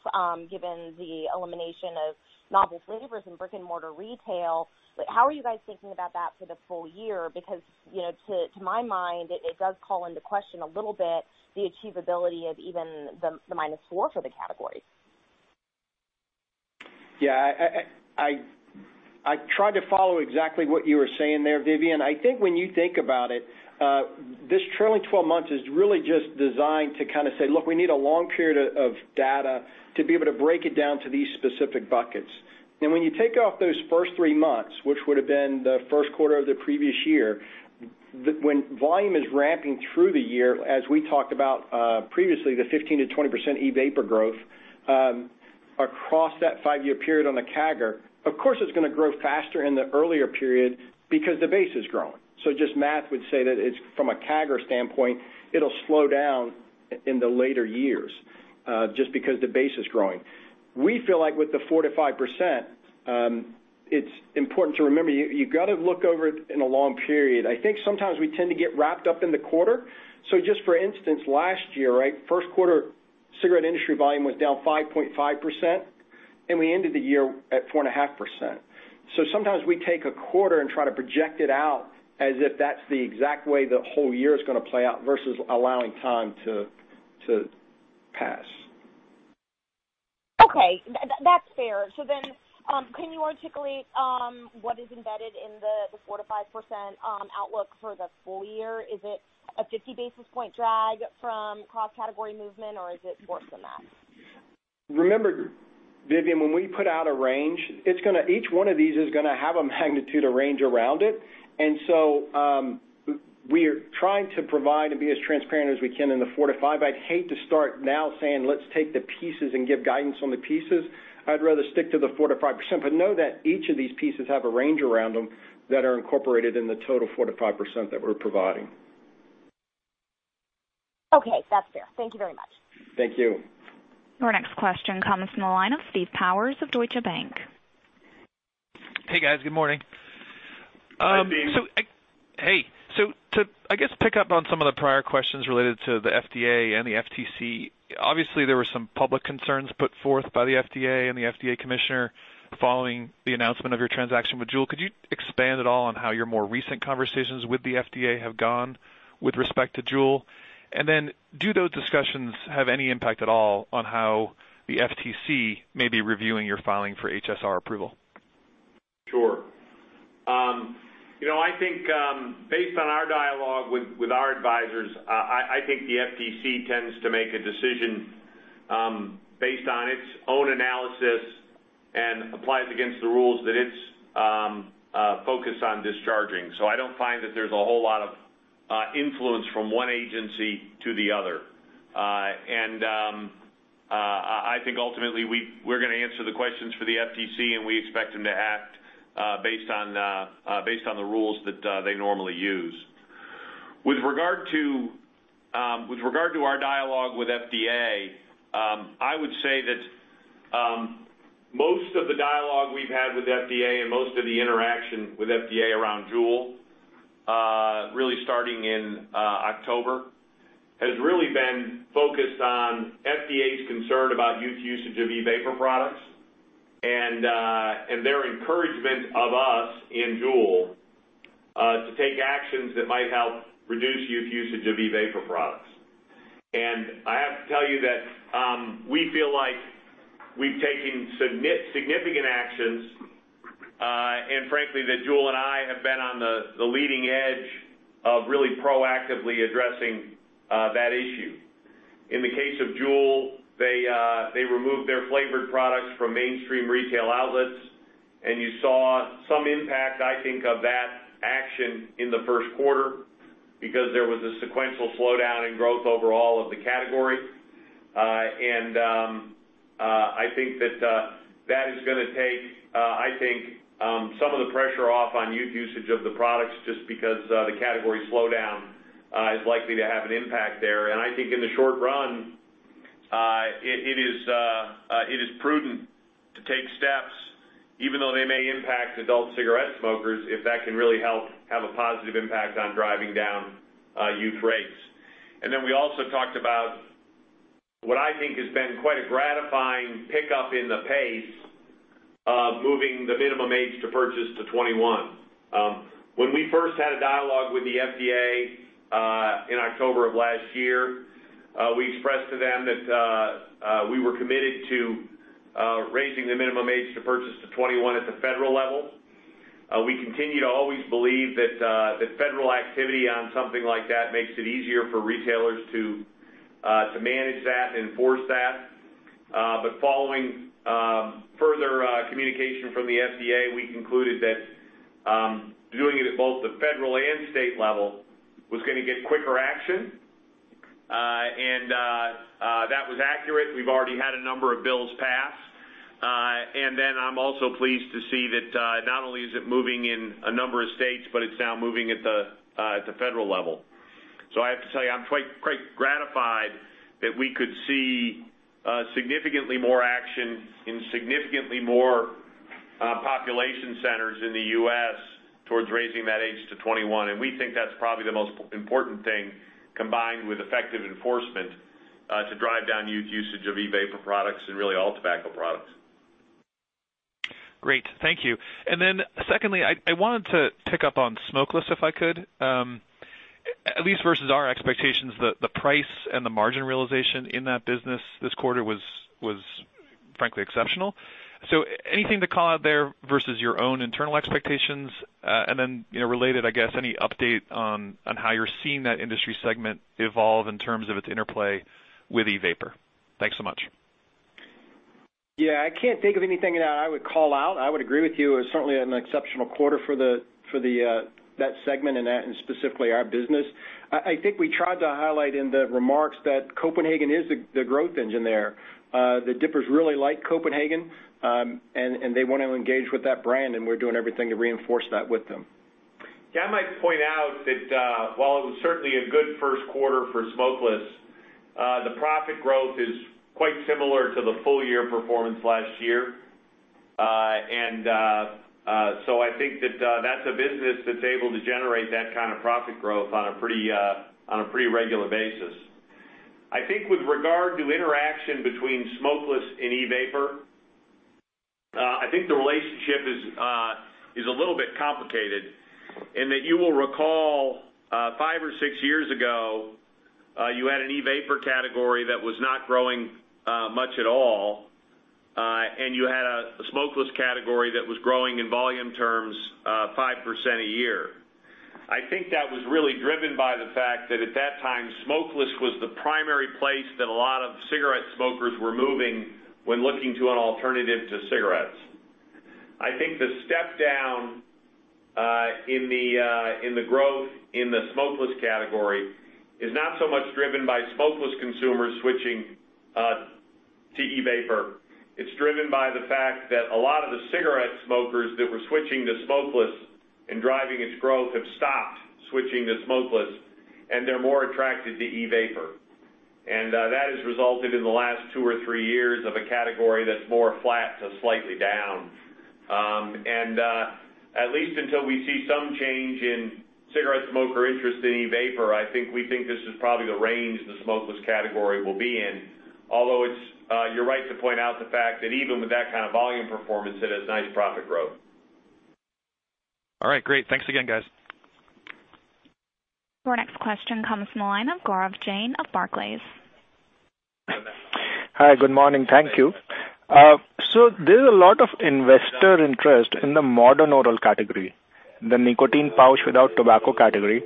given the elimination of novel flavors in brick-and-mortar retail, how are you guys thinking about that for the full year? Because, to my mind, it does call into question a little bit the achievability of even the minus four for the category. I tried to follow exactly what you were saying there, Vivien. I think when you think about it, this trailing 12 months is really just designed to say, "Look, we need a long period of data to be able to break it down to these specific buckets." When you take off those first three months, which would've been the first quarter of the previous year, when volume is ramping through the year, as we talked about previously, the 15%-20% e-vapor growth across that five-year period on the CAGR, of course it's going to grow faster in the earlier period because the base is growing. Just math would say that from a CAGR standpoint, it'll slow down in the later years, just because the base is growing. We feel like with the 4%-5%, it's important to remember, you've got to look over it in a long period. I think sometimes we tend to get wrapped up in the quarter. Just for instance, last year, first quarter cigarette industry volume was down 5.5%, and we ended the year at 4.5%. Sometimes we take a quarter and try to project it out as if that's the exact way the whole year is going to play out versus allowing time to pass. Okay. That's fair. Can you articulate what is embedded in the 4%-5% outlook for the full year? Is it a 50 basis point drag from cross-category movement, or is it worse than that? Remember, Vivien, when we put out a range, each one of these is going to have a magnitude of range around it. We're trying to provide and be as transparent as we can in the 4%-5%. I'd hate to start now saying, "Let's take the pieces and give guidance on the pieces." I'd rather stick to the 4%-5%, but know that each of these pieces have a range around them that are incorporated in the total 4%-5% that we're providing. Okay. That's fair. Thank you very much. Thank you. Our next question comes from the line of Steve Powers of Deutsche Bank. Hey, guys. Good morning. Hi, Steve. Hey. To, I guess, pick up on some of the prior questions related to the FDA and the FTC, obviously, there were some public concerns put forth by the FDA and the FDA commissioner following the announcement of your transaction with JUUL. Could you expand at all on how your more recent conversations with the FDA have gone with respect to JUUL? Then do those discussions have any impact at all on how the FTC may be reviewing your filing for HSR approval? Sure. I think based on our dialogue with our advisors, I think the FTC tends to make a decision based on its own analysis and applies against the rules that it's focused on discharging. I don't find that there's a whole lot of influence from one agency to the other. I think ultimately, we're going to answer the questions for the FTC, and we expect them to act based on the rules that they normally use. With regard to our dialogue with FDA, I would say that most of the dialogue we've had with FDA and most of the interaction with FDA around JUUL, really starting in October, has really been focused on FDA's concern about youth usage of e-vapor products and their encouragement of us and JUUL to take actions that might help reduce youth usage of e-vapor products. I have to tell you that we feel like we've taken significant actions, and frankly, that JUUL and I have been on the leading edge of really proactively addressing that issue. In the case of JUUL, they removed their flavored products from mainstream retail outlets, and you saw some impact, I think, of that action in the first quarter because there was a sequential slowdown in growth overall of the category. I think that that is going to take some of the pressure off on youth usage of the products just because the category slowdown is likely to have an impact there. I think in the short run, it is prudent. Even though they may impact adult cigarette smokers, if that can really help have a positive impact on driving down youth rates. We also talked about what I think has been quite a gratifying pickup in the pace of moving the minimum age to purchase to 21. When we first had a dialogue with the FDA in October of last year, we expressed to them that we were committed to raising the minimum age to purchase to 21 at the federal level. We continue to always believe that federal activity on something like that makes it easier for retailers to manage that and enforce that. Following further communication from the FDA, we concluded that doing it at both the federal and state level was going to get quicker action, and that was accurate. We've already had a number of bills passed. I'm also pleased to see that not only is it moving in a number of states, but it's now moving at the federal level. I have to tell you, I'm quite gratified that we could see significantly more action in significantly more population centers in the U.S. towards raising that age to 21. We think that's probably the most important thing, combined with effective enforcement, to drive down youth usage of e-vapor products and really all tobacco products. Great. Thank you. Secondly, I wanted to pick up on smokeless, if I could. At least versus our expectations, the price and the margin realization in that business this quarter was frankly exceptional. Anything to call out there versus your own internal expectations? Related, I guess, any update on how you're seeing that industry segment evolve in terms of its interplay with e-vapor? Thanks so much. Yeah, I can't think of anything that I would call out. I would agree with you. It's certainly an exceptional quarter for that segment and specifically our business. I think we tried to highlight in the remarks that Copenhagen is the growth engine there. The dippers really like Copenhagen, and they want to engage with that brand, and we're doing everything to reinforce that with them. Yeah, I might point out that while it was certainly a good first quarter for smokeless, the profit growth is quite similar to the full-year performance last year. I think that's a business that's able to generate that kind of profit growth on a pretty regular basis. I think with regard to interaction between smokeless and e-vapor, I think the relationship is a little bit complicated in that you will recall, five or six years ago, you had an e-vapor category that was not growing much at all, and you had a smokeless category that was growing in volume terms 5% a year. I think that was really driven by the fact that at that time, smokeless was the primary place that a lot of cigarette smokers were moving when looking to an alternative to cigarettes. I think the step down in the growth in the smokeless category is not so much driven by smokeless consumers switching to e-vapor. It's driven by the fact that a lot of the cigarette smokers that were switching to smokeless and driving its growth have stopped switching to smokeless, and they're more attracted to e-vapor. That has resulted in the last two or three years of a category that's more flat to slightly down. At least until we see some change in cigarette smoker interest in e-vapor, I think we think this is probably the range the smokeless category will be in. Although you're right to point out the fact that even with that kind of volume performance, it has nice profit growth. All right, great. Thanks again, guys. Your next question comes from the line of Gaurav Jain of Barclays. Hi, good morning. Thank you. There's a lot of investor interest in the modern oral category, the nicotine pouch without tobacco category.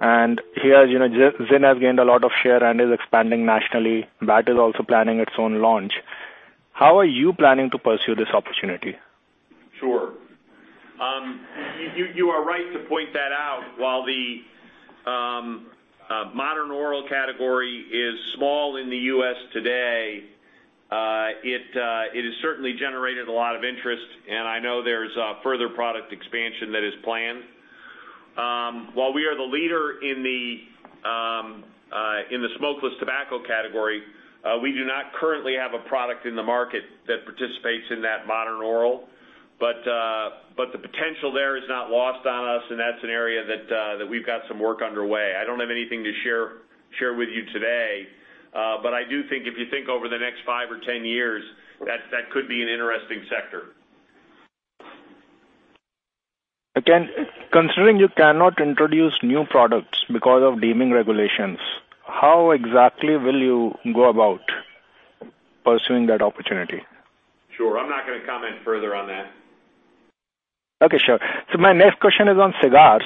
Here, ZYN has gained a lot of share and is expanding nationally. BAT is also planning its own launch. How are you planning to pursue this opportunity? Sure. You are right to point that out. While the modern oral category is small in the U.S. today, it has certainly generated a lot of interest, and I know there's further product expansion that is planned. While we are the leader in the smokeless tobacco category, we do not currently have a product in the market that participates in that modern oral. The potential there is not lost on us, and that's an area that we've got some work underway. I don't have anything to share with you today, but I do think if you think over the next five or 10 years, that could be an interesting sector. Again, considering you cannot introduce new products because of deeming regulations, how exactly will you go about pursuing that opportunity? Sure, I'm not going to comment further on that. Okay, sure. My next question is on cigars.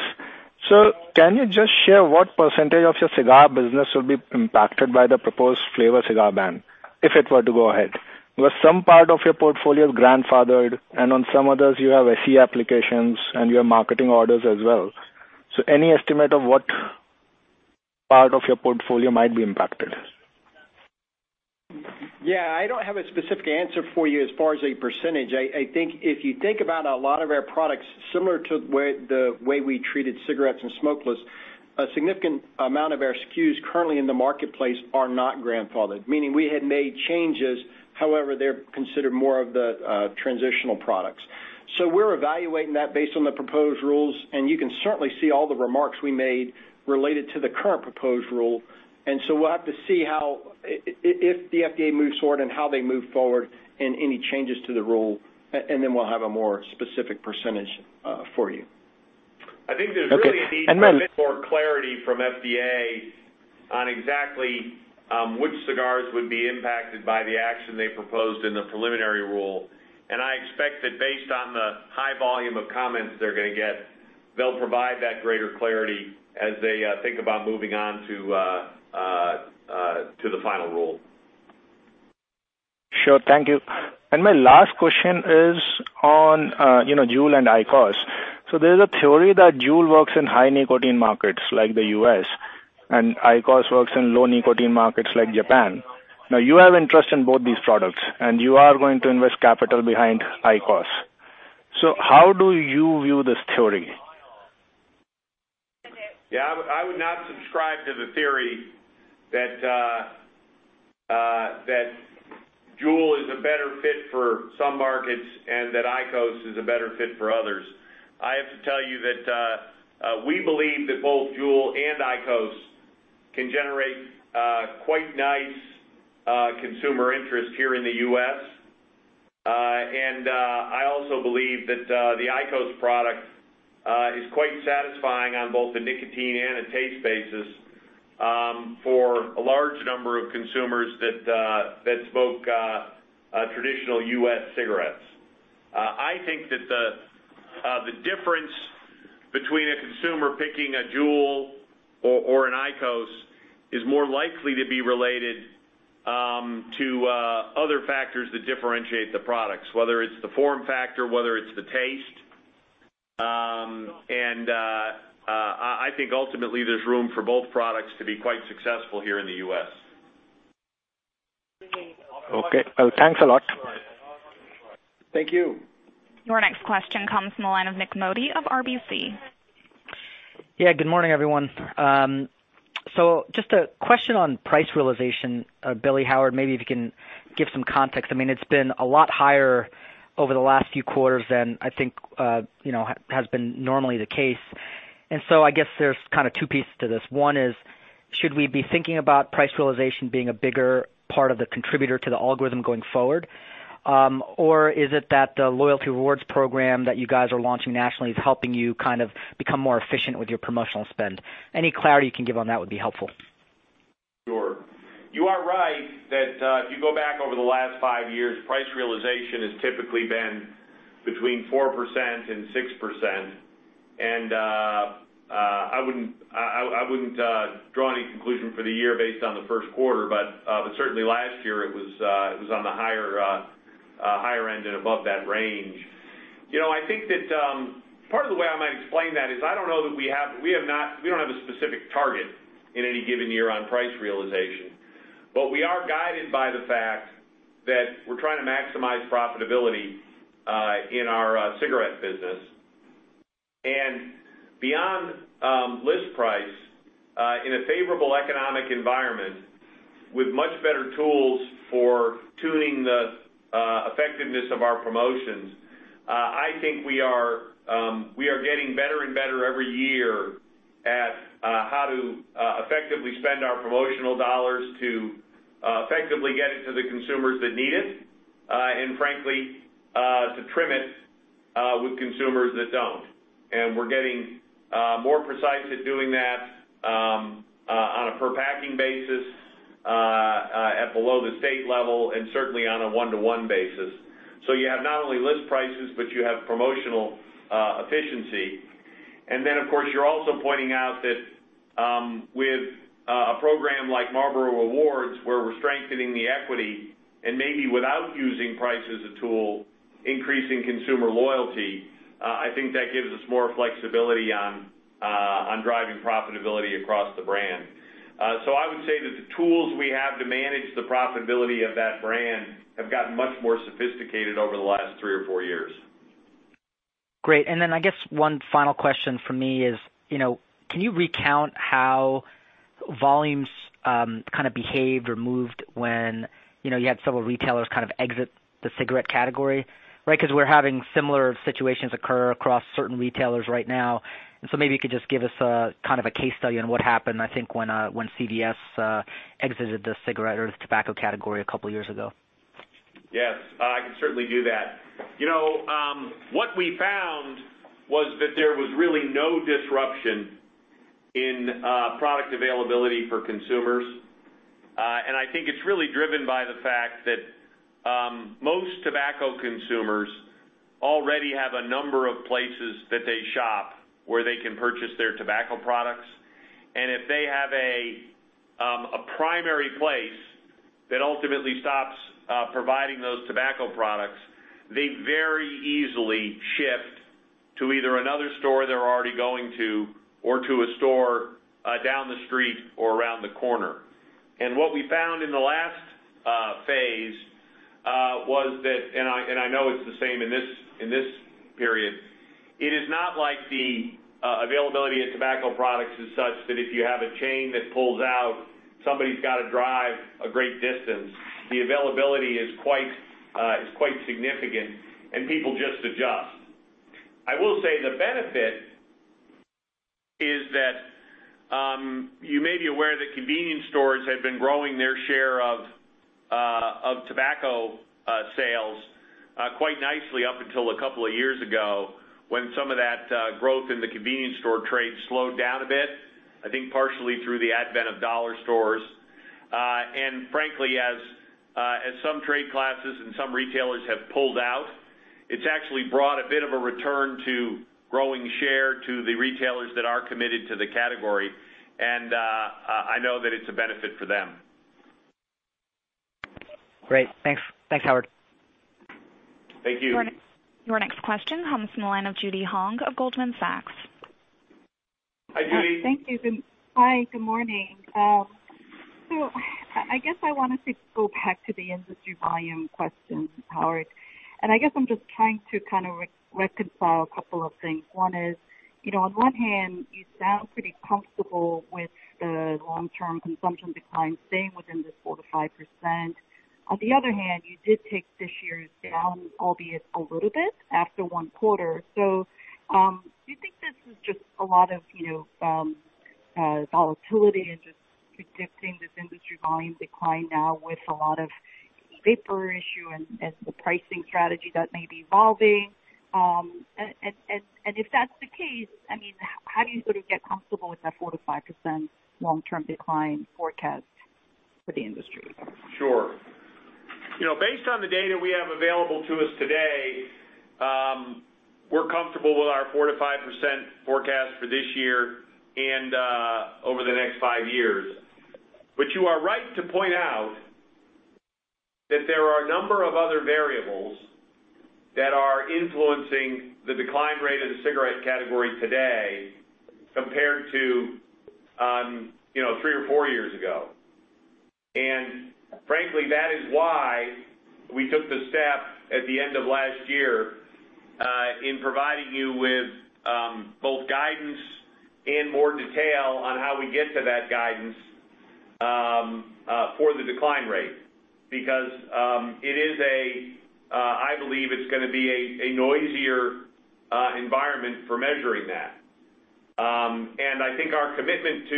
Can you just share what percentage of your cigar business will be impacted by the proposed flavor cigar ban if it were to go ahead? With some part of your portfolio grandfathered and on some others, you have SE applications and your marketing orders as well. Any estimate of what part of your portfolio might be impacted? Yeah, I don't have a specific answer for you as far as a percentage. I think if you think about a lot of our products, similar to the way we treated cigarettes and smokeless A significant amount of our SKUs currently in the marketplace are not grandfathered, meaning we had made changes, however, they're considered more of the transitional products. We're evaluating that based on the proposed rules, and you can certainly see all the remarks we made related to the current proposed rule. We'll have to see if the FDA moves forward, and how they move forward in any changes to the rule, and then we'll have a more specific percentage for you. I think there's really a need for a bit more clarity from FDA on exactly which cigars would be impacted by the action they proposed in the preliminary rule. I expect that based on the high volume of comments they're going to get, they'll provide that greater clarity as they think about moving on to the final rule. Thank you. My last question is on JUUL and IQOS. There's a theory that JUUL works in high nicotine markets like the U.S., and IQOS works in low nicotine markets like Japan. You have interest in both these products, and you are going to invest capital behind IQOS. How do you view this theory? I would not subscribe to the theory that JUUL is a better fit for some markets and that IQOS is a better fit for others. I have to tell you that we believe that both JUUL and IQOS can generate quite nice consumer interest here in the U.S. I also believe that the IQOS product is quite satisfying on both the nicotine and the taste basis for a large number of consumers that smoke traditional U.S. cigarettes. I think that the difference between a consumer picking a JUUL or an IQOS is more likely to be related to other factors that differentiate the products, whether it's the form factor, whether it's the taste. I think ultimately, there's room for both products to be quite successful here in the U.S. Thanks a lot. Thank you. Your next question comes from the line of Nik Modi of RBC. Yeah, good morning, everyone. Just a question on price realization. Billy, Howard, maybe if you can give some context. It's been a lot higher over the last few quarters than I think has been normally the case. I guess there's kind of two pieces to this. One is, should we be thinking about price realization being a bigger part of the contributor to the algorithm going forward? Or is it that the loyalty rewards program that you guys are launching nationally is helping you become more efficient with your promotional spend? Any clarity you can give on that would be helpful. Sure. You are right that if you go back over the last five years, price realization has typically been between 4% and 6%. I wouldn't draw any conclusion for the year based on the first quarter, but certainly last year, it was on the higher end and above that range. I think that part of the way I might explain that is, I don't know that we don't have a specific target in any given year on price realization. We are guided by the fact that we're trying to maximize profitability in our cigarette business. Beyond list price, in a favorable economic environment with much better tools for tuning the effectiveness of our promotions, I think we are getting better and better every year at how to effectively spend our promotional dollars to effectively get it to the consumers that need it, and frankly, to trim it with consumers that don't. We're getting more precise at doing that on a per packing basis, at below the state level, and certainly on a one-to-one basis. You have not only list prices, but you have promotional efficiency. Then, of course, you're also pointing out that with a program like Marlboro Rewards, where we're strengthening the equity and maybe without using price as a tool, increasing consumer loyalty, I think that gives us more flexibility on driving profitability across the brand. I would say that the tools we have to manage the profitability of that brand have gotten much more sophisticated over the last three or four years. Great. Then I guess one final question from me is, can you recount how volumes kind of behaved or moved when you had several retailers kind of exit the cigarette category? Right. We're having similar situations occur across certain retailers right now. Maybe you could just give us kind of a case study on what happened, I think when CVS exited the cigarette or the tobacco category a couple of years ago. Yes. I can certainly do that. What we found was that there was really no disruption in product availability for consumers. I think it's really driven by the fact that most tobacco consumers already have a number of places that they shop where they can purchase their tobacco products. If they have a primary place that ultimately stops providing those tobacco products, they very easily shift to either another store they're already going to or to a store down the street or around the corner. What we found in the last phase was that, I know it's the same in this period, it is not like the availability of tobacco products is such that if you have a chain that pulls out, somebody's got to drive a great distance. The availability is quite significant, and people just adjust. I will say the benefit is that you may be aware that convenience stores have been growing their share of tobacco sales quite nicely up until a couple of years ago, when some of that growth in the convenience store trade slowed down a bit, I think partially through the advent of dollar stores. Frankly, as some trade classes and some retailers have pulled out, it's actually brought a bit of a return to growing share to the retailers that are committed to the category, and I know that it's a benefit for them. Great. Thanks, Howard. Thank you. Your next question comes from the line of Judy Hong of Goldman Sachs. Hi, Judy. Thank you. Hi, good morning. I guess I wanted to go back to the industry volume questions, Howard, and I guess I'm just trying to kind of reconcile a couple of things. One is, on one hand, you sound pretty comfortable with the long-term consumption decline staying within this 4%-5%. On the other hand, you did take this year's down, albeit a little bit, after one quarter. Do you think this is just a lot of volatility and just predicting this industry volume decline now with a lot of vapor issue and the pricing strategy that may be evolving? If that's the case, how do you sort of get comfortable with that 4%-5% long-term decline forecast for the industry? Sure. Based on the data we have available to us today, we're comfortable with our 4%-5% forecast for this year and over the next five years. You are right to point out that there are a number of other variables that are influencing the decline rate of the cigarette category today compared to three or four years ago. Frankly, that is why we took the step at the end of last year in providing you with both guidance and more detail on how we get to that guidance for the decline rate. It is, I believe, it's going to be a noisier environment for measuring that. I think our commitment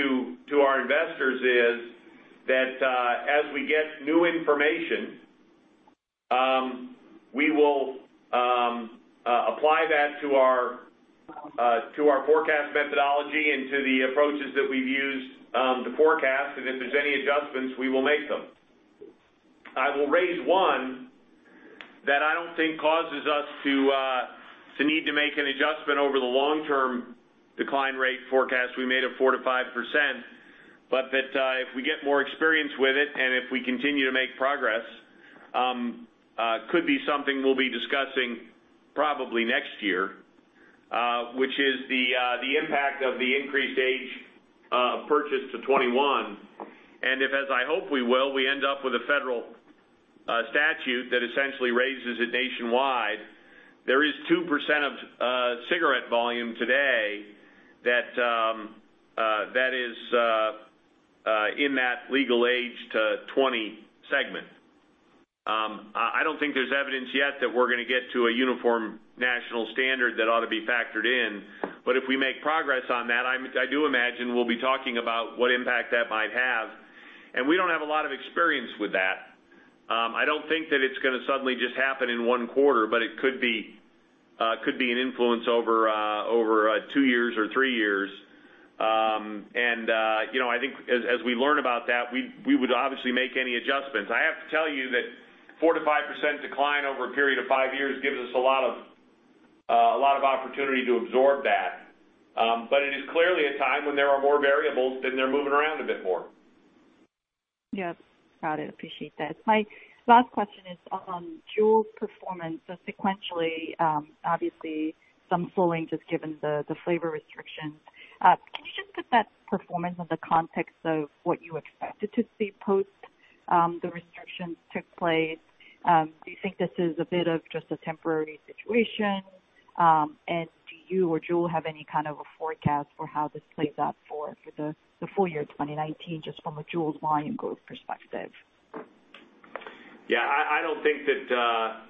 to our investors is that as we get new information, we will apply that to our forecast methodology and to the approaches that we've used to forecast. If there's any adjustments, we will make them. I will raise one that I don't think causes us to need to make an adjustment over the long-term decline rate forecast we made of 4%-5%, but that if we get more experience with it and if we continue to make progress, could be something we'll be discussing probably next year, which is the impact of the increased age of purchase to 21. If, as I hope we will, we end up with a federal statute that essentially raises it nationwide, there is 2% of cigarette volume today that is in that legal age to 20 segment. I don't think there's evidence yet that we're going to get to a uniform national standard that ought to be factored in. If we make progress on that, I do imagine we'll be talking about what impact that might have. We don't have a lot of experience with that. I don't think that it's going to suddenly just happen in one quarter, but it could be an influence over two years or three years. I think as we learn about that, we would obviously make any adjustments. I have to tell you that 4%-5% decline over a period of five years gives us a lot of opportunity to absorb that. It is clearly a time when there are more variables, and they're moving around a bit more. Yes. Got it. Appreciate that. My last question is on JUUL's performance. Sequentially, obviously some slowing, just given the flavor restrictions. Can you just put that performance in the context of what you expected to see post the restrictions took place? Do you think this is a bit of just a temporary situation? Do you or JUUL have any kind of a forecast for how this plays out for the full year 2019, just from a JUUL volume growth perspective? I don't think that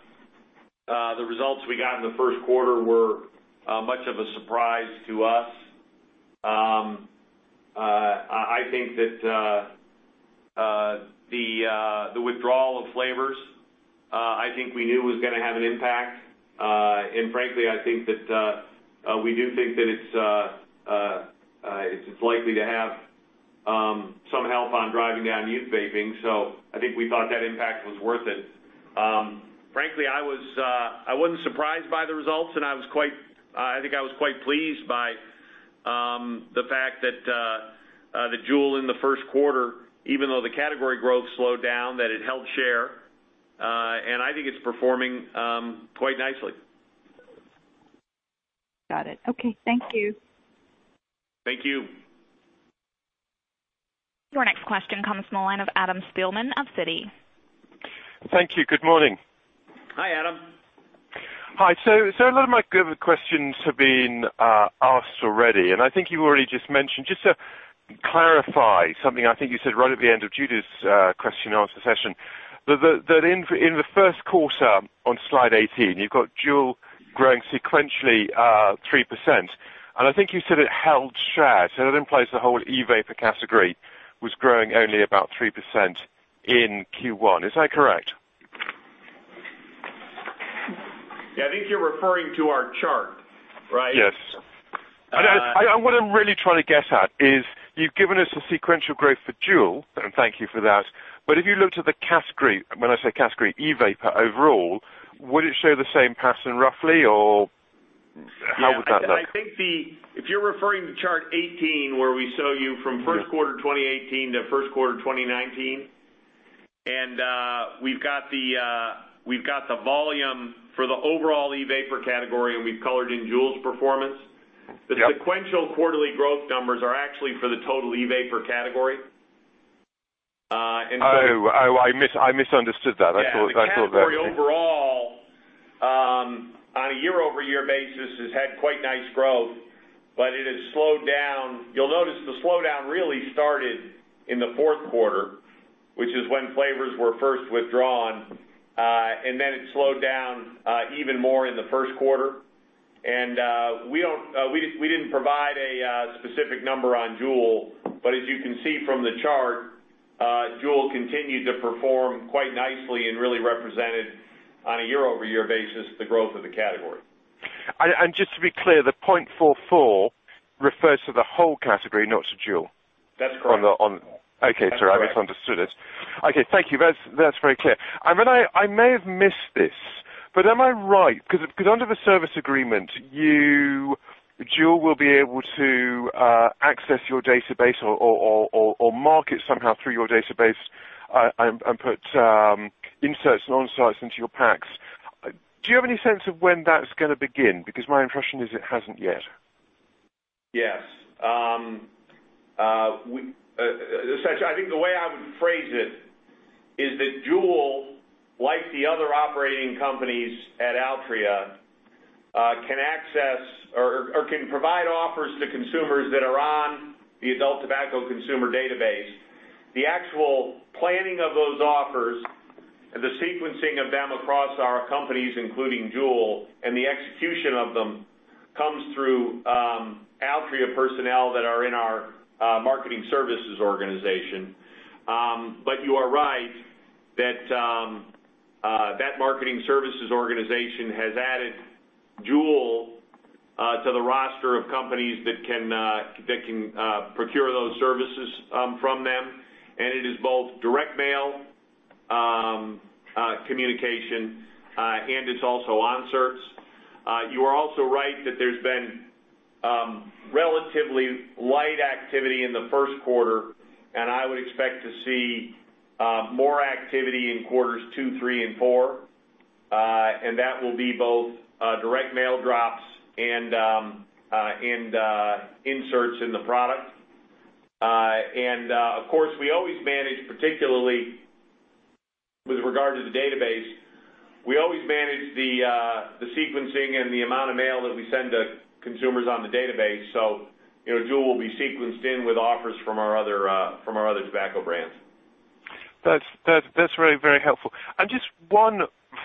the results we got in the first quarter were much of a surprise to us. I think that the withdrawal of flavors, I think we knew was going to have an impact. Frankly, I think that we do think that it's likely to have some help on driving down youth vaping. I think we thought that impact was worth it. Frankly, I wasn't surprised by the results, I think I was quite pleased by the fact that the JUUL in the first quarter, even though the category growth slowed down, that it held share. I think it's performing quite nicely. Got it. Okay. Thank you. Thank you. Your next question comes from the line of Adam Spielman of Citi. Thank you. Good morning. Hi, Adam. Hi. A lot of my questions have been asked already, and I think you've already just mentioned. Just to clarify something I think you said right at the end of Judy's question and answer session, that in the first quarter, on slide 18, you've got JUUL growing sequentially 3% and I think you said it held share. That implies the whole e-vapor category was growing only about 3% in Q1. Is that correct? Yeah. I think you're referring to our chart, right? Yes. What I'm really trying to get at is you've given us a sequential growth for JUUL, and thank you for that, but if you looked at the category, when I say category, e-vapor overall, would it show the same pattern roughly or how would that look? If you're referring to chart 18 where we show you from first quarter 2018 to first quarter 2019, and we've got the volume for the overall e-vapor category and we've colored in JUUL's performance. Yep. The sequential quarterly growth numbers are actually for the total e-vapor category. Oh, I misunderstood that. I thought. Yeah, the category overall, on a year-over-year basis has had quite nice growth. It has slowed down. You'll notice the slowdown really started in the fourth quarter, which is when flavors were first withdrawn. It slowed down even more in the first quarter. We didn't provide a specific number on JUUL, but as you can see from the chart, JUUL continued to perform quite nicely and really represented, on a year-over-year basis, the growth of the category. Just to be clear, the 0.44 refers to the whole category, not to JUUL? That's correct. Okay. Sorry, I misunderstood it. Okay, thank you. That's very clear. Am I right, because under the service agreement, JUUL will be able to access your database or market somehow through your database, and put inserts and onserts into your packs. Do you have any sense of when that's going to begin? My impression is it hasn't yet. Yes. I think the way I would phrase it is that JUUL, like the other operating companies at Altria, can provide offers to consumers that are on the adult tobacco consumer database. The actual planning of those offers and the sequencing of them across our companies, including JUUL, and the execution of them comes through Altria personnel that are in our marketing services organization. You are right that marketing services organization has added JUUL to the roster of companies that can procure those services from them, and it is both direct mail communication, and it's also inserts. You are also right that there's been relatively light activity in the first quarter, and I would expect to see more activity in quarters 2, 3, and 4. That will be both direct mail drops and inserts in the product. Of course, we always manage, particularly with regard to the database, we always manage the sequencing and the amount of mail that we send to consumers on the database. JUUL will be sequenced in with offers from our other tobacco brands. That's very helpful. Just one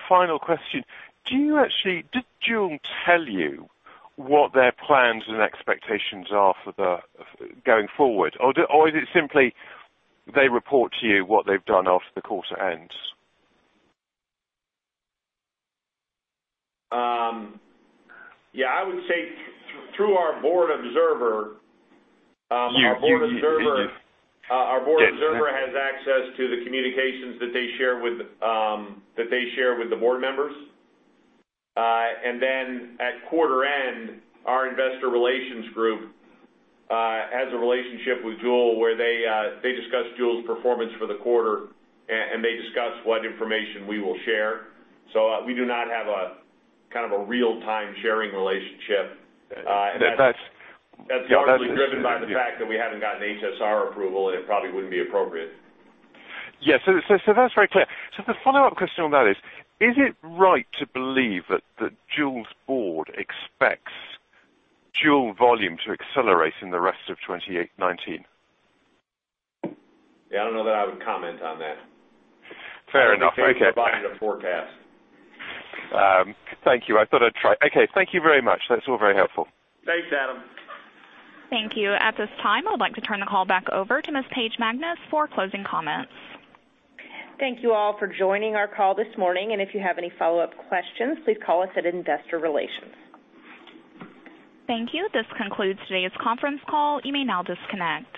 final question. Did JUUL tell you what their plans and expectations are going forward? Is it simply they report to you what they've done after the quarter ends? Yeah. I would say through our board observer- You. Our board observer has access to the communications that they share with the board members. At quarter end, our investor relations group has a relationship with JUUL where they discuss JUUL's performance for the quarter, and they discuss what information we will share. We do not have a real-time sharing relationship. That's- That's largely driven by the fact that we haven't gotten HSR approval, and it probably wouldn't be appropriate. Yeah. That's very clear. The follow-up question on that is it right to believe that JUUL's board expects JUUL volume to accelerate in the rest of 2019? Yeah, I don't know that I would comment on that. Fair enough. Okay. It's not for us to forecast. Thank you. I thought I'd try. Okay, thank you very much. That's all very helpful. Thanks, Adam. Thank you. At this time, I would like to turn the call back over to Ms. Paige Magness for closing comments. Thank you all for joining our call this morning. If you have any follow-up questions, please call us at investor relations. Thank you. This concludes today's conference call. You may now disconnect.